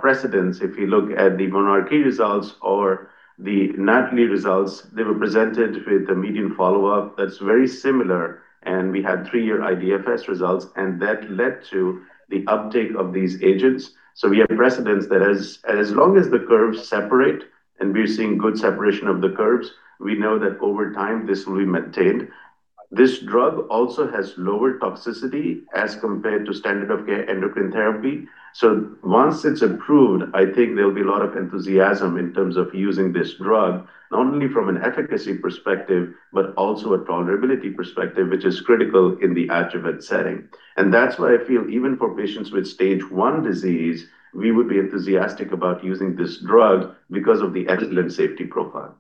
precedents. If you look at the monarchE results or the NATALEE results, they were presented with a median follow-up that's very similar, and we had three-year IDFS results, and that led to the uptake of these agents, so we have precedents that as long as the curves separate and we're seeing good separation of the curves, we know that over time this will be maintained. This drug also has lower toxicity as compared to standard-of-care endocrine therapy, so once it's approved, I think there'll be a lot of enthusiasm in terms of using this drug, not only from an efficacy perspective, but also a tolerability perspective, which is critical in the adjuvant setting, and that's why I feel even for patients with stage one disease, we would be enthusiastic about using this drug because of the excellent safety profile.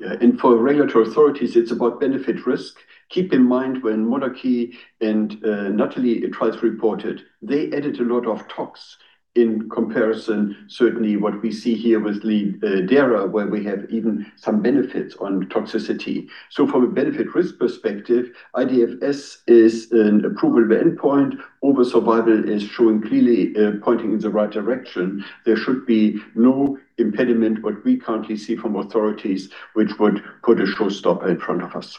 Yeah, and for regulatory authorities, it's about benefit-risk. Keep in mind when monarchE and NATALEE trials reported, they added a lot of tox in comparison, certainly what we see here with lidERA, where we have even some benefits on toxicity. So from a benefit-risk perspective, IDFS is an approval endpoint. Overall survival is showing clearly pointing in the right direction. There should be no impediment. What we currently see from authorities, which would put a showstopper in front of us.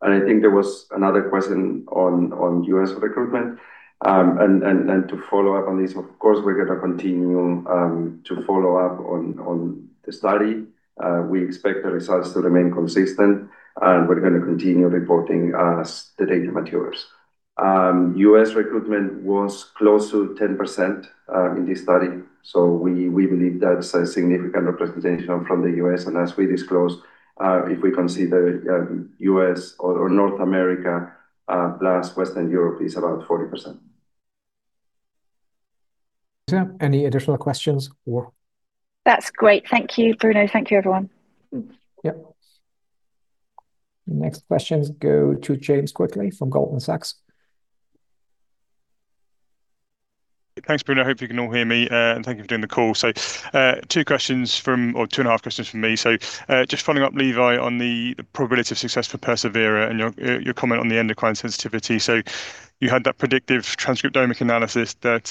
And I think there was another question on U.S. recruitment. And to follow up on this, of course, we're going to continue to follow up on the study. We expect the results to remain consistent, and we're going to continue reporting as the data matures. U.S. recruitment was close to 10% in this study. So we believe that's a significant representation from the U.S. And as we disclosed, if we consider US or North America plus Western Europe, it's about 40%. Any additional questions or? That's great. Thank you, Bruno. Thank you, everyone. Yep. Next questions go to James Quigley from Goldman Sachs. Thanks, Bruno. Hope you can all hear me. And thank you for doing the call. So two questions from or two and a half questions from me. So just following up, Levi, on the probability of success for persevERA and your comment on the endocrine sensitivity. So you had that predictive transcriptomic analysis that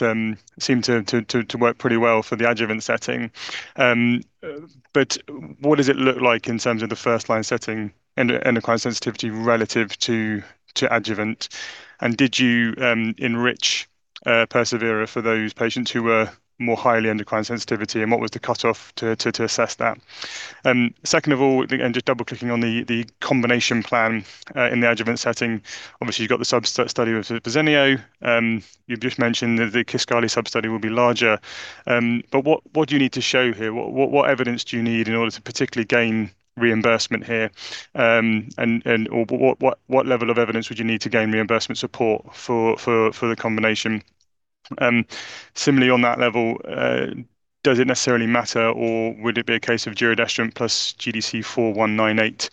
seemed to work pretty well for the adjuvant setting. But what does it look like in terms of the first-line setting endocrine sensitivity relative to adjuvant? And did you enrich persevERA for those patients who were more highly endocrine sensitivity? And what was the cutoff to assess that? Second of all, and just double-clicking on the combination plan in the adjuvant setting, obviously, you've got the sub-study with Verzenio. You've just mentioned that the Kisqali sub-study will be larger. But what do you need to show here? What evidence do you need in order to particularly gain reimbursement here? And what level of evidence would you need to gain reimbursement support for the combination? Similarly, on that level, does it necessarily matter, or would it be a case of giredestrant plus GDC-4198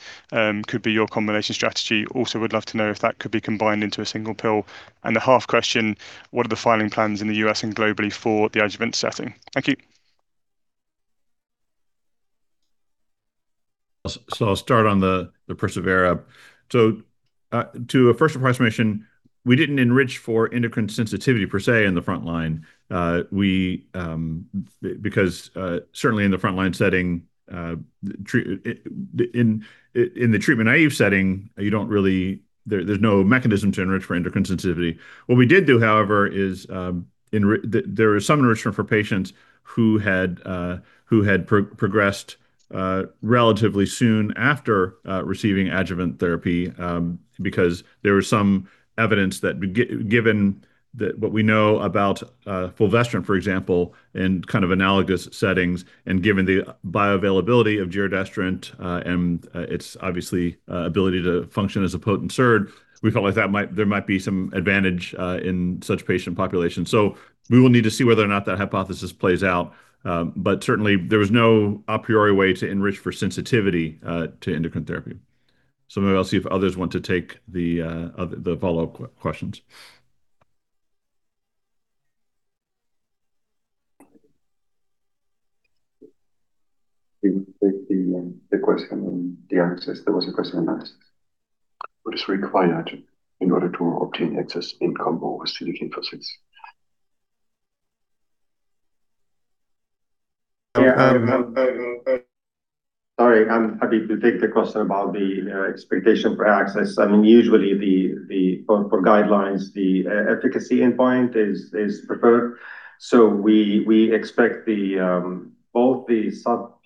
could be your combination strategy? Also, would love to know if that could be combined into a single pill. And the half question, what are the filing plans in the US and globally for the adjuvant setting? Thank you. So I'll start on the persevERA. To a first impression, we didn't enrich for endocrine sensitivity per se in the front line because certainly in the front line setting, in the treatment naive setting, there's no mechanism to enrich for endocrine sensitivity. What we did do, however, is there was some enrichment for patients who had progressed relatively soon after receiving adjuvant therapy because there was some evidence that given what we know about fulvestrant, for example, in kind of analogous settings, and given the bioavailability of giredestrant and its obviously ability to function as a potent SERD, we felt like there might be some advantage in such patient population. We will need to see whether or not that hypothesis plays out. But certainly, there was no a priori way to enrich for sensitivity to endocrine therapy. Maybe I'll see if others want to take the follow-up questions. The question on the OS, there was a question on OS. What is required in order to obtain OS in combo with CDK4/6 inhibitors? Sorry, I'm happy to take the question about the expectation for OS. I mean, usually, for guidelines, the efficacy endpoint is preferred. So we expect both the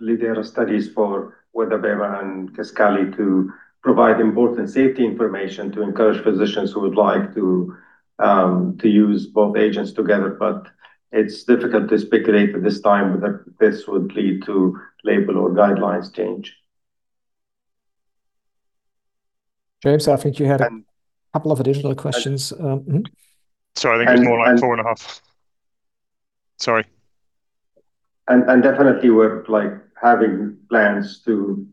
lidERA studies for giredestrant and Kisqali to provide important safety information to encourage physicians who would like to use both agents together. But it's difficult to speculate at this time that this would lead to label or guidelines change. James, I think you had a couple of additional questions. Sorry, I think there's more like four and a half. Sorry. And definitely, we're having plans to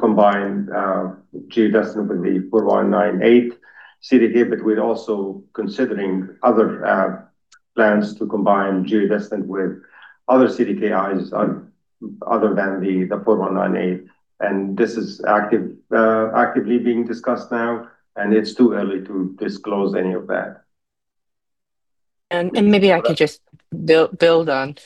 combine giredestrant with the GDC-4198 CDK, but we're also considering other plans to combine giredestrant with other CDKIs other than the GDC-4198. And this is actively being discussed now, and it's too early to disclose any of that. And maybe I can just build on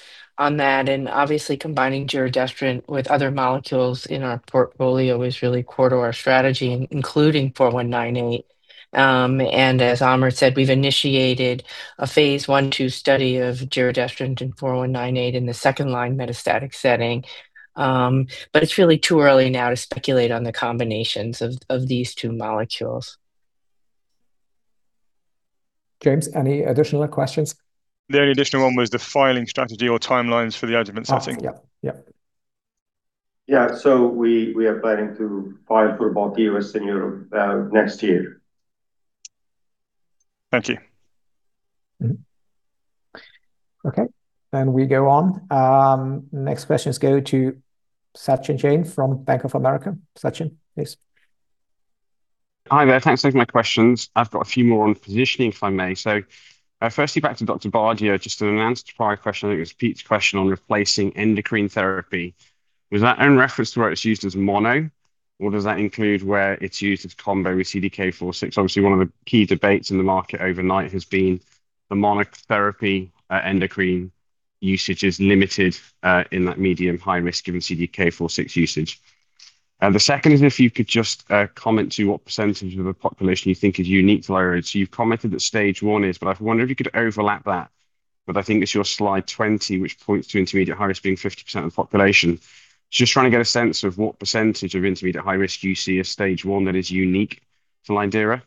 that. And obviously, combining giredestrant with other molecules in our portfolio is really core to our strategy, including 4198. And as Amr said, we've initiated a phase 1-2 study of giredestrant and 4198 in the second-line metastatic setting. But it's really too early now to speculate on the combinations of these two molecules. James, any additional questions? The only additional one was the filing strategy or timelines for the adjuvant setting. Yeah. Yeah. Yeah. So we are planning to file for both U.S. and Europe next year. Thank you. Okay. And we go on. Next questions go to Sachin Jain from Bank of America. Sachin, please. Hi there. Thanks for taking my questions. I've got a few more on positioning, if I may. Firstly, back to Dr. Bardia, just an unanswered prior question. I think it was Pete's question on replacing endocrine therapy. Was that in reference to where it's used as mono, or does that include where it's used as combo with CDK4/6? Obviously, one of the key debates in the market overnight has been the monotherapy endocrine usage is limited in that intermediate-high risk given CDK4/6 usage. The second is if you could just comment on what percentage of the population you think is unique to inavolisib. So you've commented that stage one is, but I've wondered if you could elaborate on that. But I think it's your slide 20, which points to intermediate-high risk being 50% of the population. Just trying to get a sense of what percentage of intermediate-high risk you see as stage one that is unique to lidERA.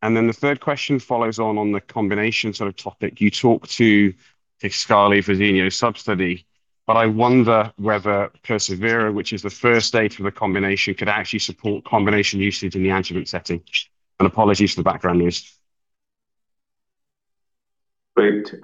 Then the third question follows on the combination sort of topic. You talked to Kisqali Verzenio sub-study, but I wonder whether persevERA, which is the first stage of the combination, could actually support combination usage in the adjuvant setting. Apologies for the background noise. Great.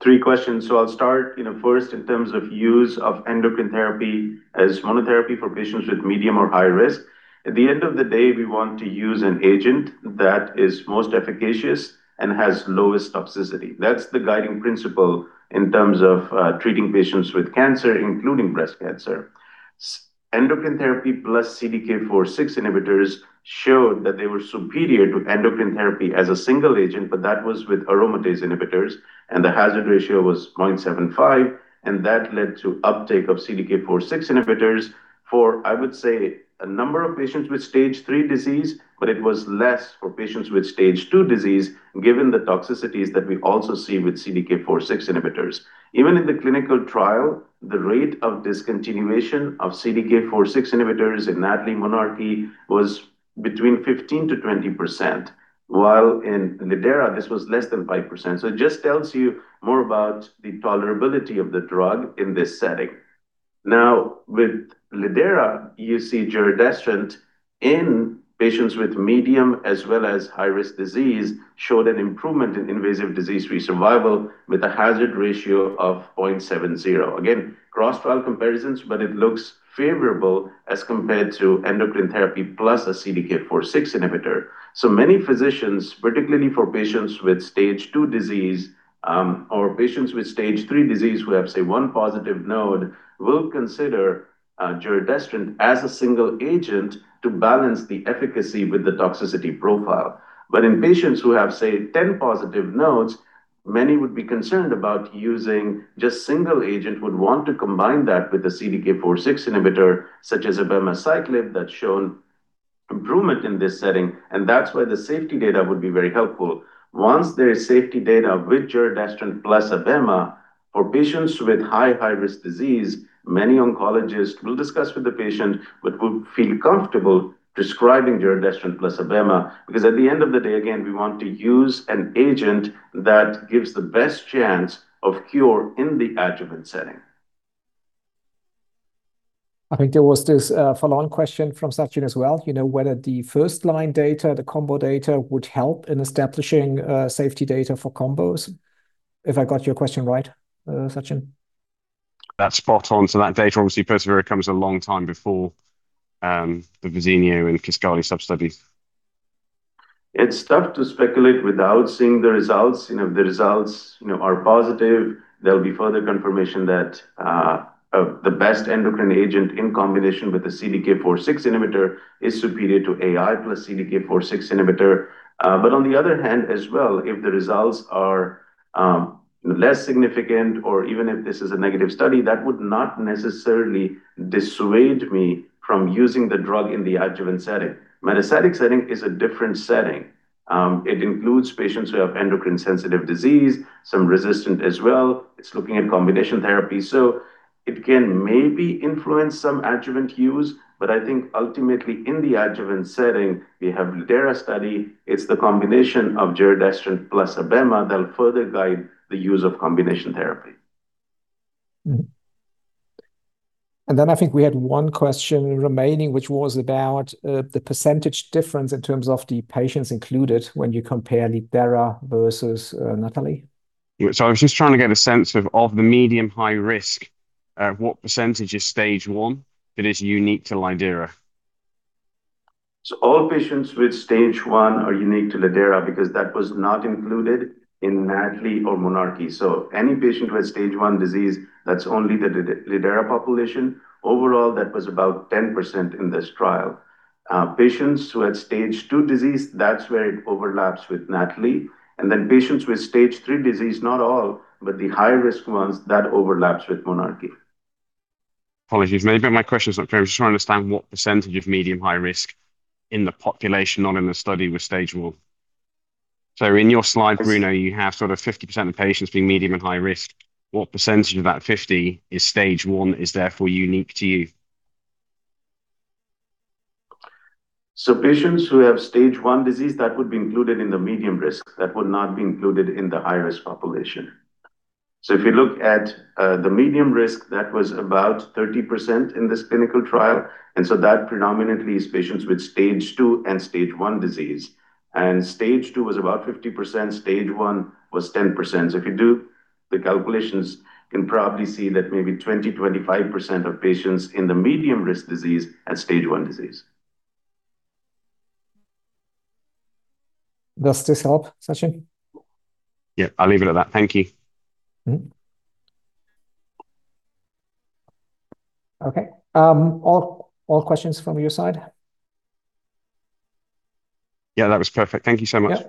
Three questions. I'll start first in terms of use of endocrine therapy as monotherapy for patients with medium or high risk. At the end of the day, we want to use an agent that is most efficacious and has lowest toxicity. That's the guiding principle in terms of treating patients with cancer, including breast cancer. Endocrine therapy plus CDK4/6 inhibitors showed that they were superior to endocrine therapy as a single agent, but that was with aromatase inhibitors. The hazard ratio was 0.75, and that led to uptake of CDK4/6 inhibitors for, I would say, a number of patients with stage three disease, but it was less for patients with stage two disease given the toxicities that we also see with CDK4/6 inhibitors. Even in the clinical trial, the rate of discontinuation of CDK4/6 inhibitors in NATALEE monarchE was between 15%-20%, while in lidERA, this was less than 5%. So it just tells you more about the tolerability of the drug in this setting. Now, with lidERA, you see giredestrant in patients with medium as well as high-risk disease showed an improvement in invasive disease-free survival with a hazard ratio of 0.70. Again, cross-trial comparisons, but it looks favorable as compared to endocrine therapy plus a CDK4/6 inhibitor. So many physicians, particularly for patients with stage two disease or patients with stage three disease who have, say, one positive node, will consider giredestrant as a single agent to balance the efficacy with the toxicity profile. But in patients who have, say, 10 positive nodes, many would be concerned about using just a single agent and would want to combine that with a CDK4/6 inhibitor, such as abemaciclib. That's shown improvement in this setting. And that's why the safety data would be very helpful. Once there is safety data with giredestrant plus Abema, for patients with high-high-risk disease, many oncologists will discuss with the patient, but would feel comfortable prescribing giredestrant plus Abema because at the end of the day, again, we want to use an agent that gives the best chance of cure in the adjuvant setting. I think there was this follow-on question from Sachin as well, whether the first-line data, the combo data, would help in establishing safety data for combos. If I got your question right, Sachin? That's spot on. So that data, obviously, persevERA comes a long time before the Verzenio and Kisqali sub-studies. It's tough to speculate without seeing the results. If the results are positive, there'll be further confirmation that the best endocrine agent in combination with the CDK4/6 inhibitor is superior to AI plus CDK4/6 inhibitor. But on the other hand as well, if the results are less significant, or even if this is a negative study, that would not necessarily dissuade me from using the drug in the adjuvant setting. Metastatic setting is a different setting. It includes patients who have endocrine-sensitive disease, some resistant as well. It's looking at combination therapy. It can maybe influence some adjuvant use, but I think ultimately in the adjuvant setting, we have lidERA study. It's the combination of giredestrant plus abemaciclib that'll further guide the use of combination therapy. Then I think we had one question remaining, which was about the percentage difference in terms of the patients included when you compare lidERA versus NATALEE. I was just trying to get a sense of the medium-high risk of what percentage is stage one that is unique to lidERA. All patients with stage one are unique to lidERA because that was not included in NATALEE or monarchE. Any patient who has stage one disease, that's only the lidERA population. Overall, that was about 10% in this trial. Patients who had stage two disease, that's where it overlaps with NATALEE. Then patients with stage three disease, not all, but the high-risk ones, that overlaps with monarchE. Apologies. Maybe my question's not clear. I'm just trying to understand what percentage of medium-high risk in the population not in the study was stage one. So in your slide, Bruno, you have sort of 50% of patients being medium and high risk. What percentage of that 50 is stage one that is therefore unique to you? Patients who have stage one disease, that would be included in the medium risk. That would not be included in the high-risk population. If you look at the medium risk, that was about 30% in this clinical trial. That predominantly is patients with stage two and stage one disease. Stage two was about 50%. Stage one was 10%. So if you do the calculations, you can probably see that maybe 20%-25% of patients in the medium-risk disease had stage one disease. Does this help, Sachin? Yeah, I'll leave it at that. Thank you. Okay. All questions from your side? Yeah, that was perfect. Thank you so much.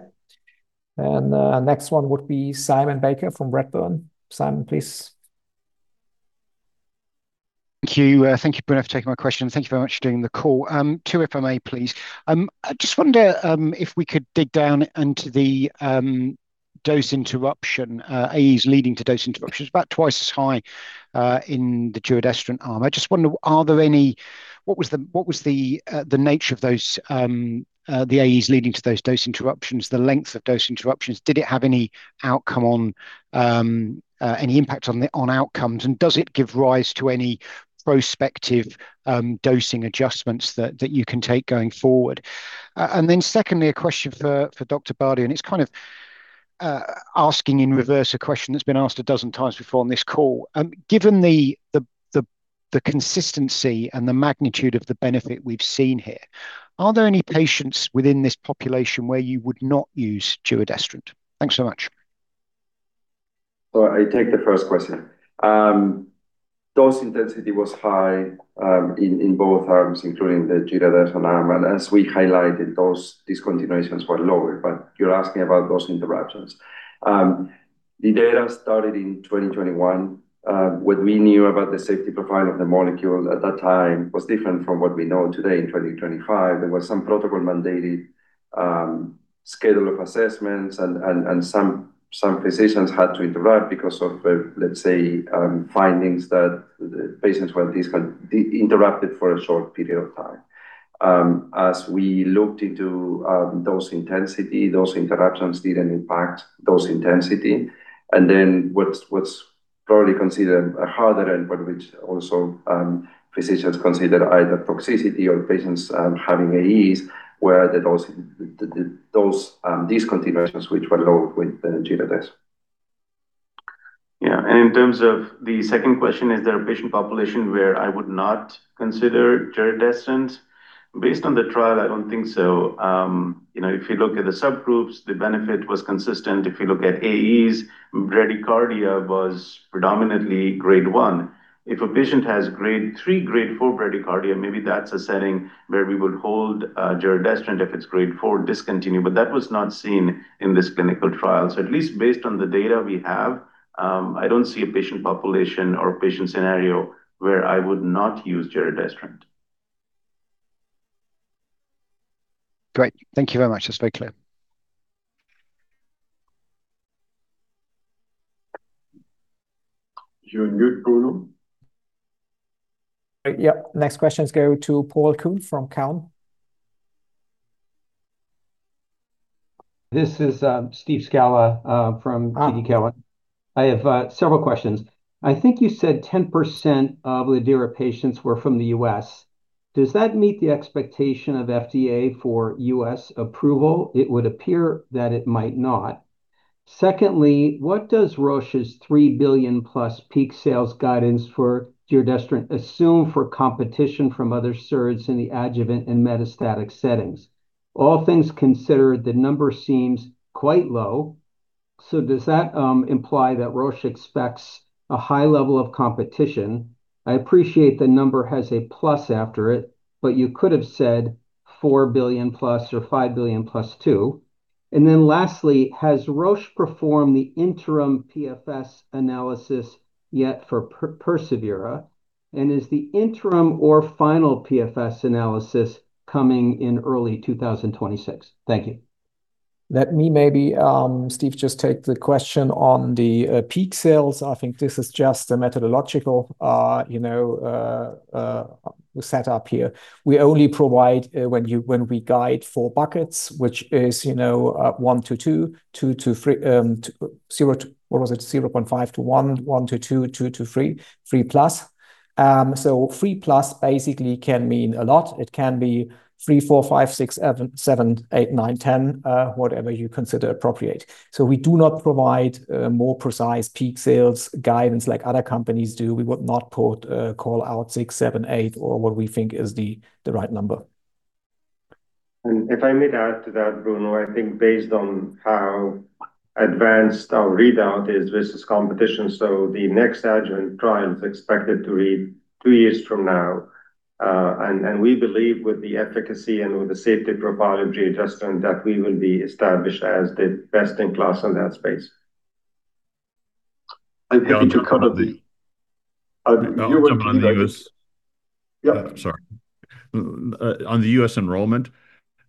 And next one would be Simon Baker from Redburn. Simon, please. Thank you. Thank you, Bruno, for taking my question. Thank you very much for doing the call. Two, if I may, please. I just wonder if we could dig down into the dose interruption, AEs leading to dose interruptions. It's about twice as high in the giredestrant arm. I just wonder, are there any—what was the nature of the AEs leading to those dose interruptions, the length of dose interruptions? Did it have any outcome on any impact on outcomes? Does it give rise to any prospective dosing adjustments that you can take going forward? And then secondly, a question for Dr. Bardia, and it's kind of asking in reverse a question that's been asked a dozen times before on this call. Given the consistency and the magnitude of the benefit we've seen here, are there any patients within this population where you would not use giredestrant? Thanks so much. So I take the first question. Dose intensity was high in both arms, including the giredestrant arm. And as we highlighted, those discontinuations were lower. But you're asking about those interruptions. lidERA started in 2021. What we knew about the safety profile of the molecule at that time was different from what we know today in 2025. There was some protocol-mandated schedule of assessments, and some physicians had to interrupt because of, let's say, findings that patients were interrupted for a short period of time. As we looked into dose intensity, those interruptions didn't impact dose intensity. And then what's probably considered a harder endpoint, which also physicians consider either toxicity or patients having AEs, were the dose discontinuations which were lowered with giredestrant. Yeah. And in terms of the second question, is there a patient population where I would not consider giredestrant? Based on the trial, I don't think so. If you look at the subgroups, the benefit was consistent. If you look at AEs, bradycardia was predominantly grade one. If a patient has grade three, grade four bradycardia, maybe that's a setting where we would hold giredestrant if it's grade four, discontinue. But that was not seen in this clinical trial. So at least based on the data we have, I don't see a patient population or patient scenario where I would not use giredestrant. Great. Thank you very much. That's very clear. You're on mute, Bruno. Yeah. Next questions go to Paul Kuhn from TD Cowen. This is Steve Scala from TD Cowen. I have several questions. I think you said 10% of lidERA patients were from the U.S. Does that meet the expectation of FDA for U.S. approval? It would appear that it might not. Secondly, what does Roche's 3 billion-plus peak sales guidance for giredestrant assume for competition from other SERDs in the adjuvant and metastatic settings? All things considered, the number seems quite low. So does that imply that Roche expects a high level of competition? I appreciate the number has a plus after it, but you could have said 4 billion-plus or 5 billion-plus too. Then lastly, has Roche performed the interim PFS analysis yet for persevERA? And is the interim or final PFS analysis coming in early 2026? Thank you. Let me maybe, Steve, just take the question on the peak sales. I think this is just a methodological setup here. We only provide when we guide four buckets, which is 1-2, 2-3, 0—what was it? 0.5-1, 1-2, 2-3, 3 plus. So 3 plus basically can mean a lot. It can be three, four, five, six, seven, eight, nine, 10, whatever you consider appropriate. So we do not provide more precise peak sales guidance like other companies do. We would not put a call out six, seven, eight, or what we think is the right number. If I may add to that, Bruno, I think based on how advanced our readout is versus competition, so the next adjuvant trial is expected to read out two years from now. And we believe with the efficacy and with the safety profile of giredestrant that we will be established as the best in class in that space. I think you covered that. You were talking about the U.S. Yeah, sorry. On the U.S. enrollment,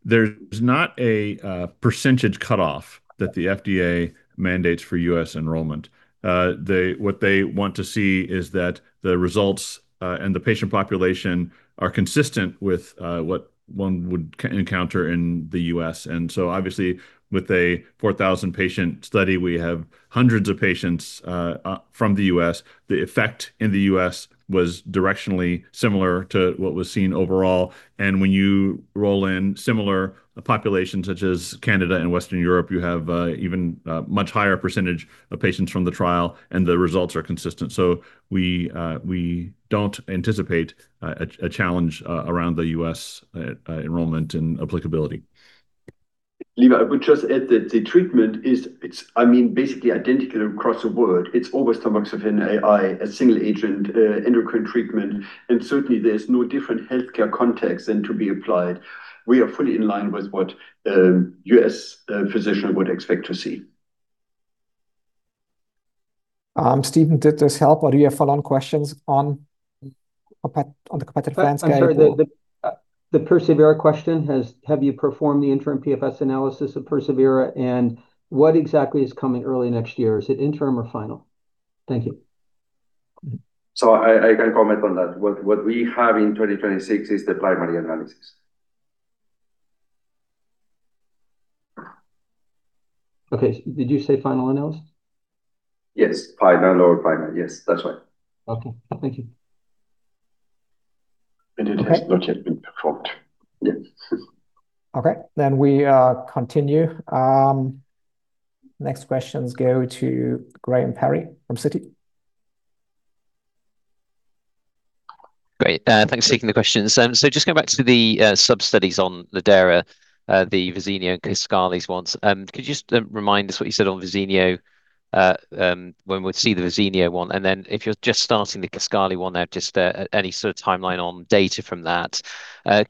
there's not a percentage cutoff that the FDA mandates for U.S. enrollment. What they want to see is that the results and the patient population are consistent with what one would encounter in the U.S. And so obviously, with a 4,000-patient study, we have hundreds of patients from the U.S. The effect in the U.S. was directionally similar to what was seen overall. And when you roll in similar populations, such as Canada and Western Europe, you have even a much higher percentage of patients from the trial, and the results are consistent. So we don't anticipate a challenge around the U.S. enrollment and applicability. Levi, I would just add that the treatment is, I mean, basically identical across the board. It's always tamoxifen, AI, a single-agent endocrine treatment. And certainly, there's no different healthcare context than to be applied. We are fully in line with what U.S. physicians would expect to see. Steven, did this help? Are there any follow-on questions on the competitive landscape? The persevERA question has: have you performed the interim PFS analysis of persevERA? And what exactly is coming early next year? Is it interim or final? Thank you. So I can comment on that. What we have in 2026 is the primary analysis. Okay. Did you say final analysis? Yes. Final. Yes, that's right. Okay. Thank you. And it has not yet been performed. Yes. Okay. Then we continue. Next questions go to Graham Parry from Bank of America. Great. Thanks for taking the questions. So just going back to the sub-studies on lidERA, the Verzenio and Kisqali ones. Could you just remind us what you said on Verzenio when we see the Verzenio one? And then if you're just starting the Kisqali one, just any sort of timeline on data from that.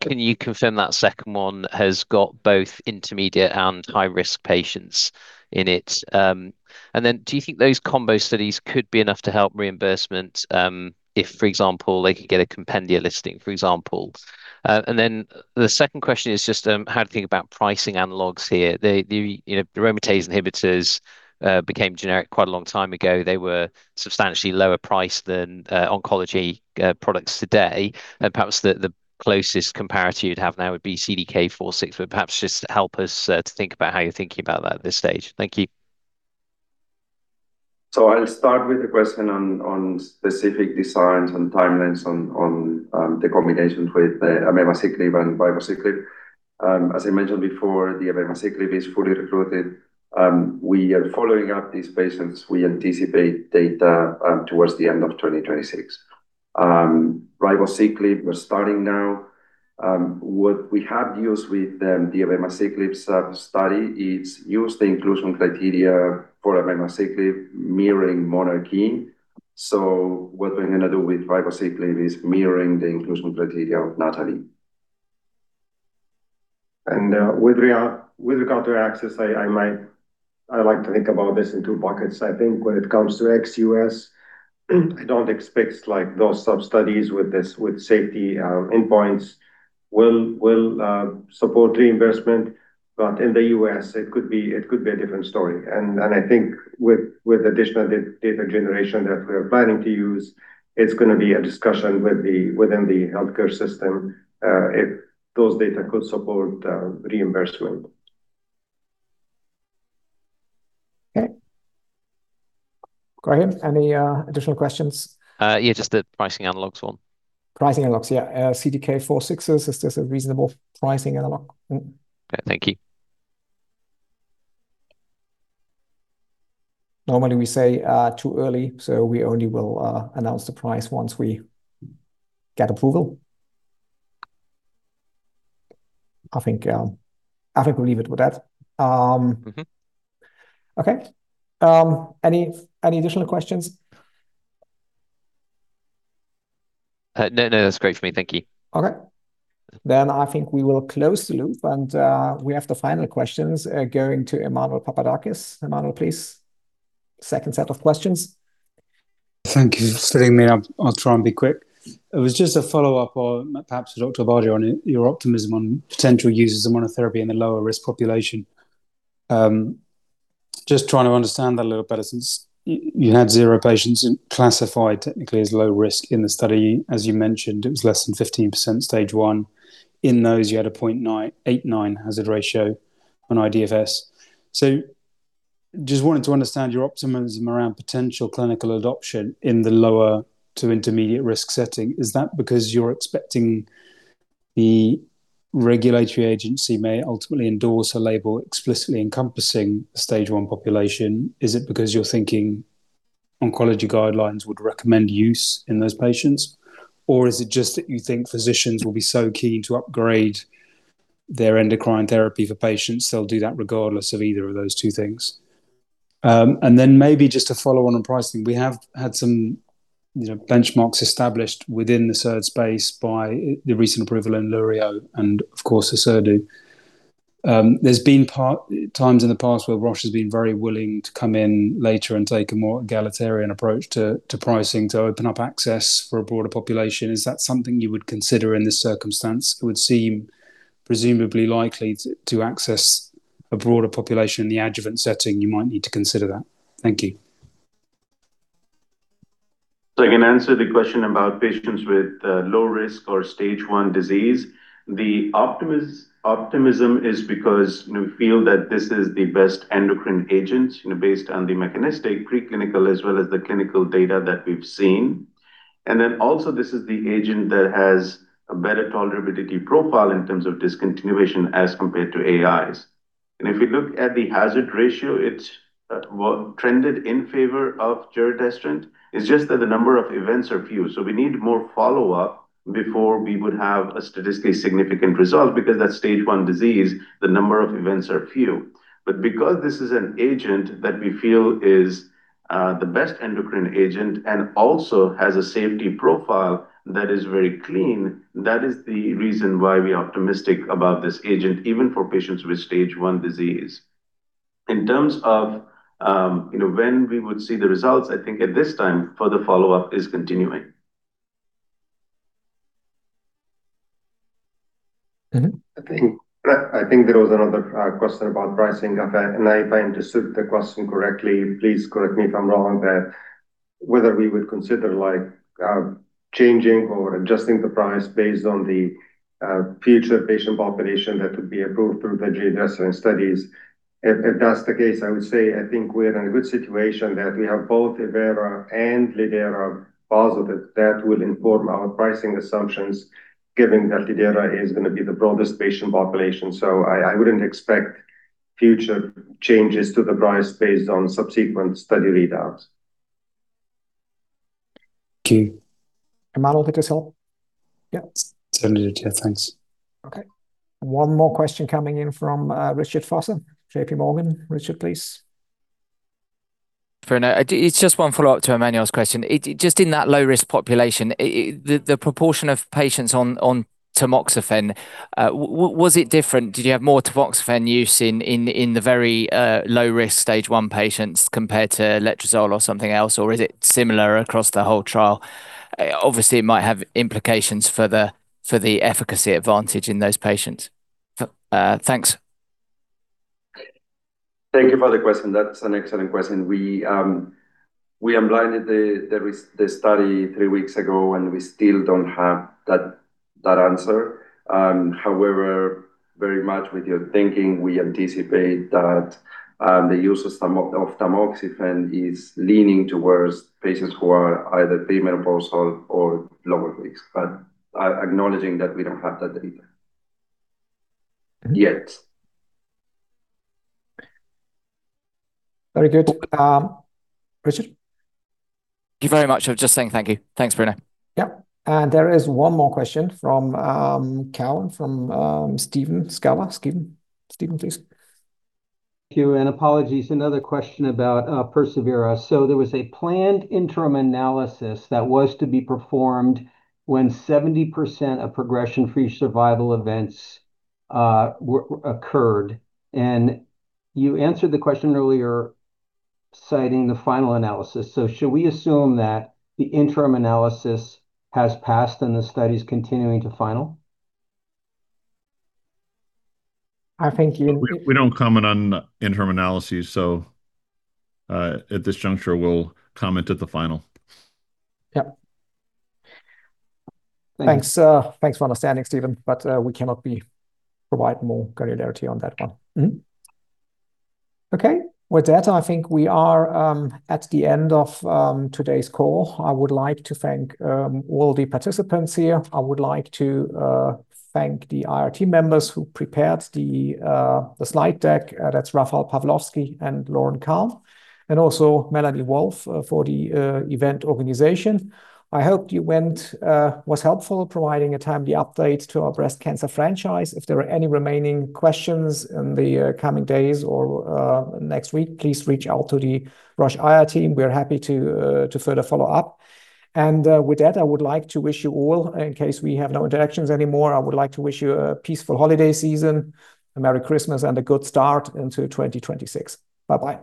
Can you confirm that second one has got both intermediate and high-risk patients in it? And then do you think those combo studies could be enough to help reimbursement if, for example, they could get a compendia listing, for example? And then the second question is just how to think about pricing analogs here. The aromatase inhibitors became generic quite a long time ago. They were substantially lower priced than oncology products today. Perhaps the closest comparator you'd have now would be CDK4/6, but perhaps just help us to think about how you're thinking about that at this stage. Thank you. So I'll start with a question on specific designs and timelines on the combinations with the abemaciclib and ribociclib. As I mentioned before, the abemaciclib is fully recruited. We are following up these patients. We anticipate data towards the end of 2026, ribociclib is starting now. What we have used with the abemaciclib study is the inclusion criteria for abemaciclib mirroring monarchE. So what we're going to do with ribociclib is mirroring the inclusion criteria of NATALEE. And with regard to access, I like to think about this in two buckets. I think when it comes to aHUS, I don't expect those sub-studies with safety endpoints will support reimbursement, but in the US, it could be a different story, and I think with additional data generation that we are planning to use, it's going to be a discussion within the healthcare system if those data could support reimbursement. Okay. Graham, any additional questions? Yeah, just the pricing analogs one. Pricing analogs, yeah. CDK4/6, is this a reasonable pricing analog? Yeah, thank you. Normally, we say too early, so we only will announce the price once we get approval. I think we'll leave it with that. Okay. Any additional questions? No, no, that's great for me. Thank you. Okay, then I think we will close the loop, and we have the final questions going to Emmanuel Papadakis. Emanuel, please. Second set of questions. Thank you for seeing me. I'll try and be quick. It was just a follow-up on perhaps Dr. Bardia on your optimism on potential uses of monotherapy in the lower-risk population. Just trying to understand that a little better since you had zero patients classified technically as low-risk in the study. As you mentioned, it was less than 15% stage one. In those, you had a 0.89 hazard ratio on IDFS. So just wanting to understand your optimism around potential clinical adoption in the lower to intermediate risk setting. Is that because you're expecting the regulatory agency may ultimately endorse a label explicitly encompassing the stage one population? Is it because you're thinking oncology guidelines would recommend use in those patients? Or is it just that you think physicians will be so keen to upgrade their endocrine therapy for patients, they'll do that regardless of either of those two things? And then maybe just a follow-on on pricing. We have had some benchmarks established within the SERD space by the recent approval of Verzenio and, of course, Orserdu. There's been times in the past where Roche has been very willing to come in later and take a more egalitarian approach to pricing to open up access for a broader population. Is that something you would consider in this circumstance? It would seem presumably likely to access a broader population in the adjuvant setting. You might need to consider that. Thank you. So I can answer the question about patients with low-risk or stage one disease. The optimism is because we feel that this is the best endocrine agent based on the mechanistic preclinical as well as the clinical data that we've seen. And then also, this is the agent that has a better tolerability profile in terms of discontinuation as compared to AIs. And if we look at the hazard ratio, it's trended in favor of giredestrant. It's just that the number of events are few. So we need more follow-up before we would have a statistically significant result because that stage one disease, the number of events are few. But because this is an agent that we feel is the best endocrine agent and also has a safety profile that is very clean, that is the reason why we are optimistic about this agent, even for patients with stage one disease. In terms of when we would see the results, I think at this time, further follow-up is continuing. Okay. I think there was another question about pricing. If I understood the question correctly, please correct me if I'm wrong, that whether we would consider changing or adjusting the price based on the future patient population that would be approved through the giredestrant studies. If that's the case, I would say I think we're in a good situation that we have both persevERA and lidERA positive that will inform our pricing assumptions, given that lidERA is going to be the broadest patient population. So I wouldn't expect future changes to the price based on subsequent study readouts. Thank you. Emanuel, did this help? Yeah. Certainly did, yeah. Thanks. Okay. One more question coming in from Richard Vosser. JP Morgan. Richard, please. Fair enough. It's just one follow-up to Emmanuel's question. Just in that low-risk population, the proportion of patients on tamoxifen, was it different? Did you have more tamoxifen use in the very low-risk stage one patients compared to letrozole or something else? Or is it similar across the whole trial? Obviously, it might have implications for the efficacy advantage in those patients. Thanks. Thank you for the question. That's an excellent question. We unblinded the study three weeks ago, and we still don't have that answer. However, very much with your thinking, we anticipate that the use of tamoxifen is leaning towards patients who are either premenopausal or lower risk. But acknowledging that we don't have that data yet. Very good. Richard? Thank you very much. I was just saying thank you. Thanks, Bruno. Yeah. And there is one more question from Cowen from Steve Scala. Steve, please. Thank you. And apologies. Another question about persevERA. So there was a planned interim analysis that was to be performed when 70% of progression-free survival events occurred. And you answered the question earlier citing the final analysis. So should we assume that the interim analysis has passed and the study is continuing to final? I think you— We don't comment on interim analyses. So at this juncture, we'll comment at the final. Yeah. Thanks for understanding, Steve. But we cannot provide more granularity on that one. Okay. With that, I think we are at the end of today's call. I would like to thank all the participants here. I would like to thank the IRT members who prepared the slide deck. That's Raphael Pavlovsky and Loren Kalm, and also Melanie Wolf for the event organization. I hope you found it was helpful providing a timely update to our breast cancer franchise. If there are any remaining questions in the coming days or next week, please reach out to the Roche IR team. We're happy to further follow up. And with that, I would like to wish you all, in case we have no interactions anymore, I would like to wish you a peaceful holiday season, a Merry Christmas, and a good start into 2026. Bye-bye.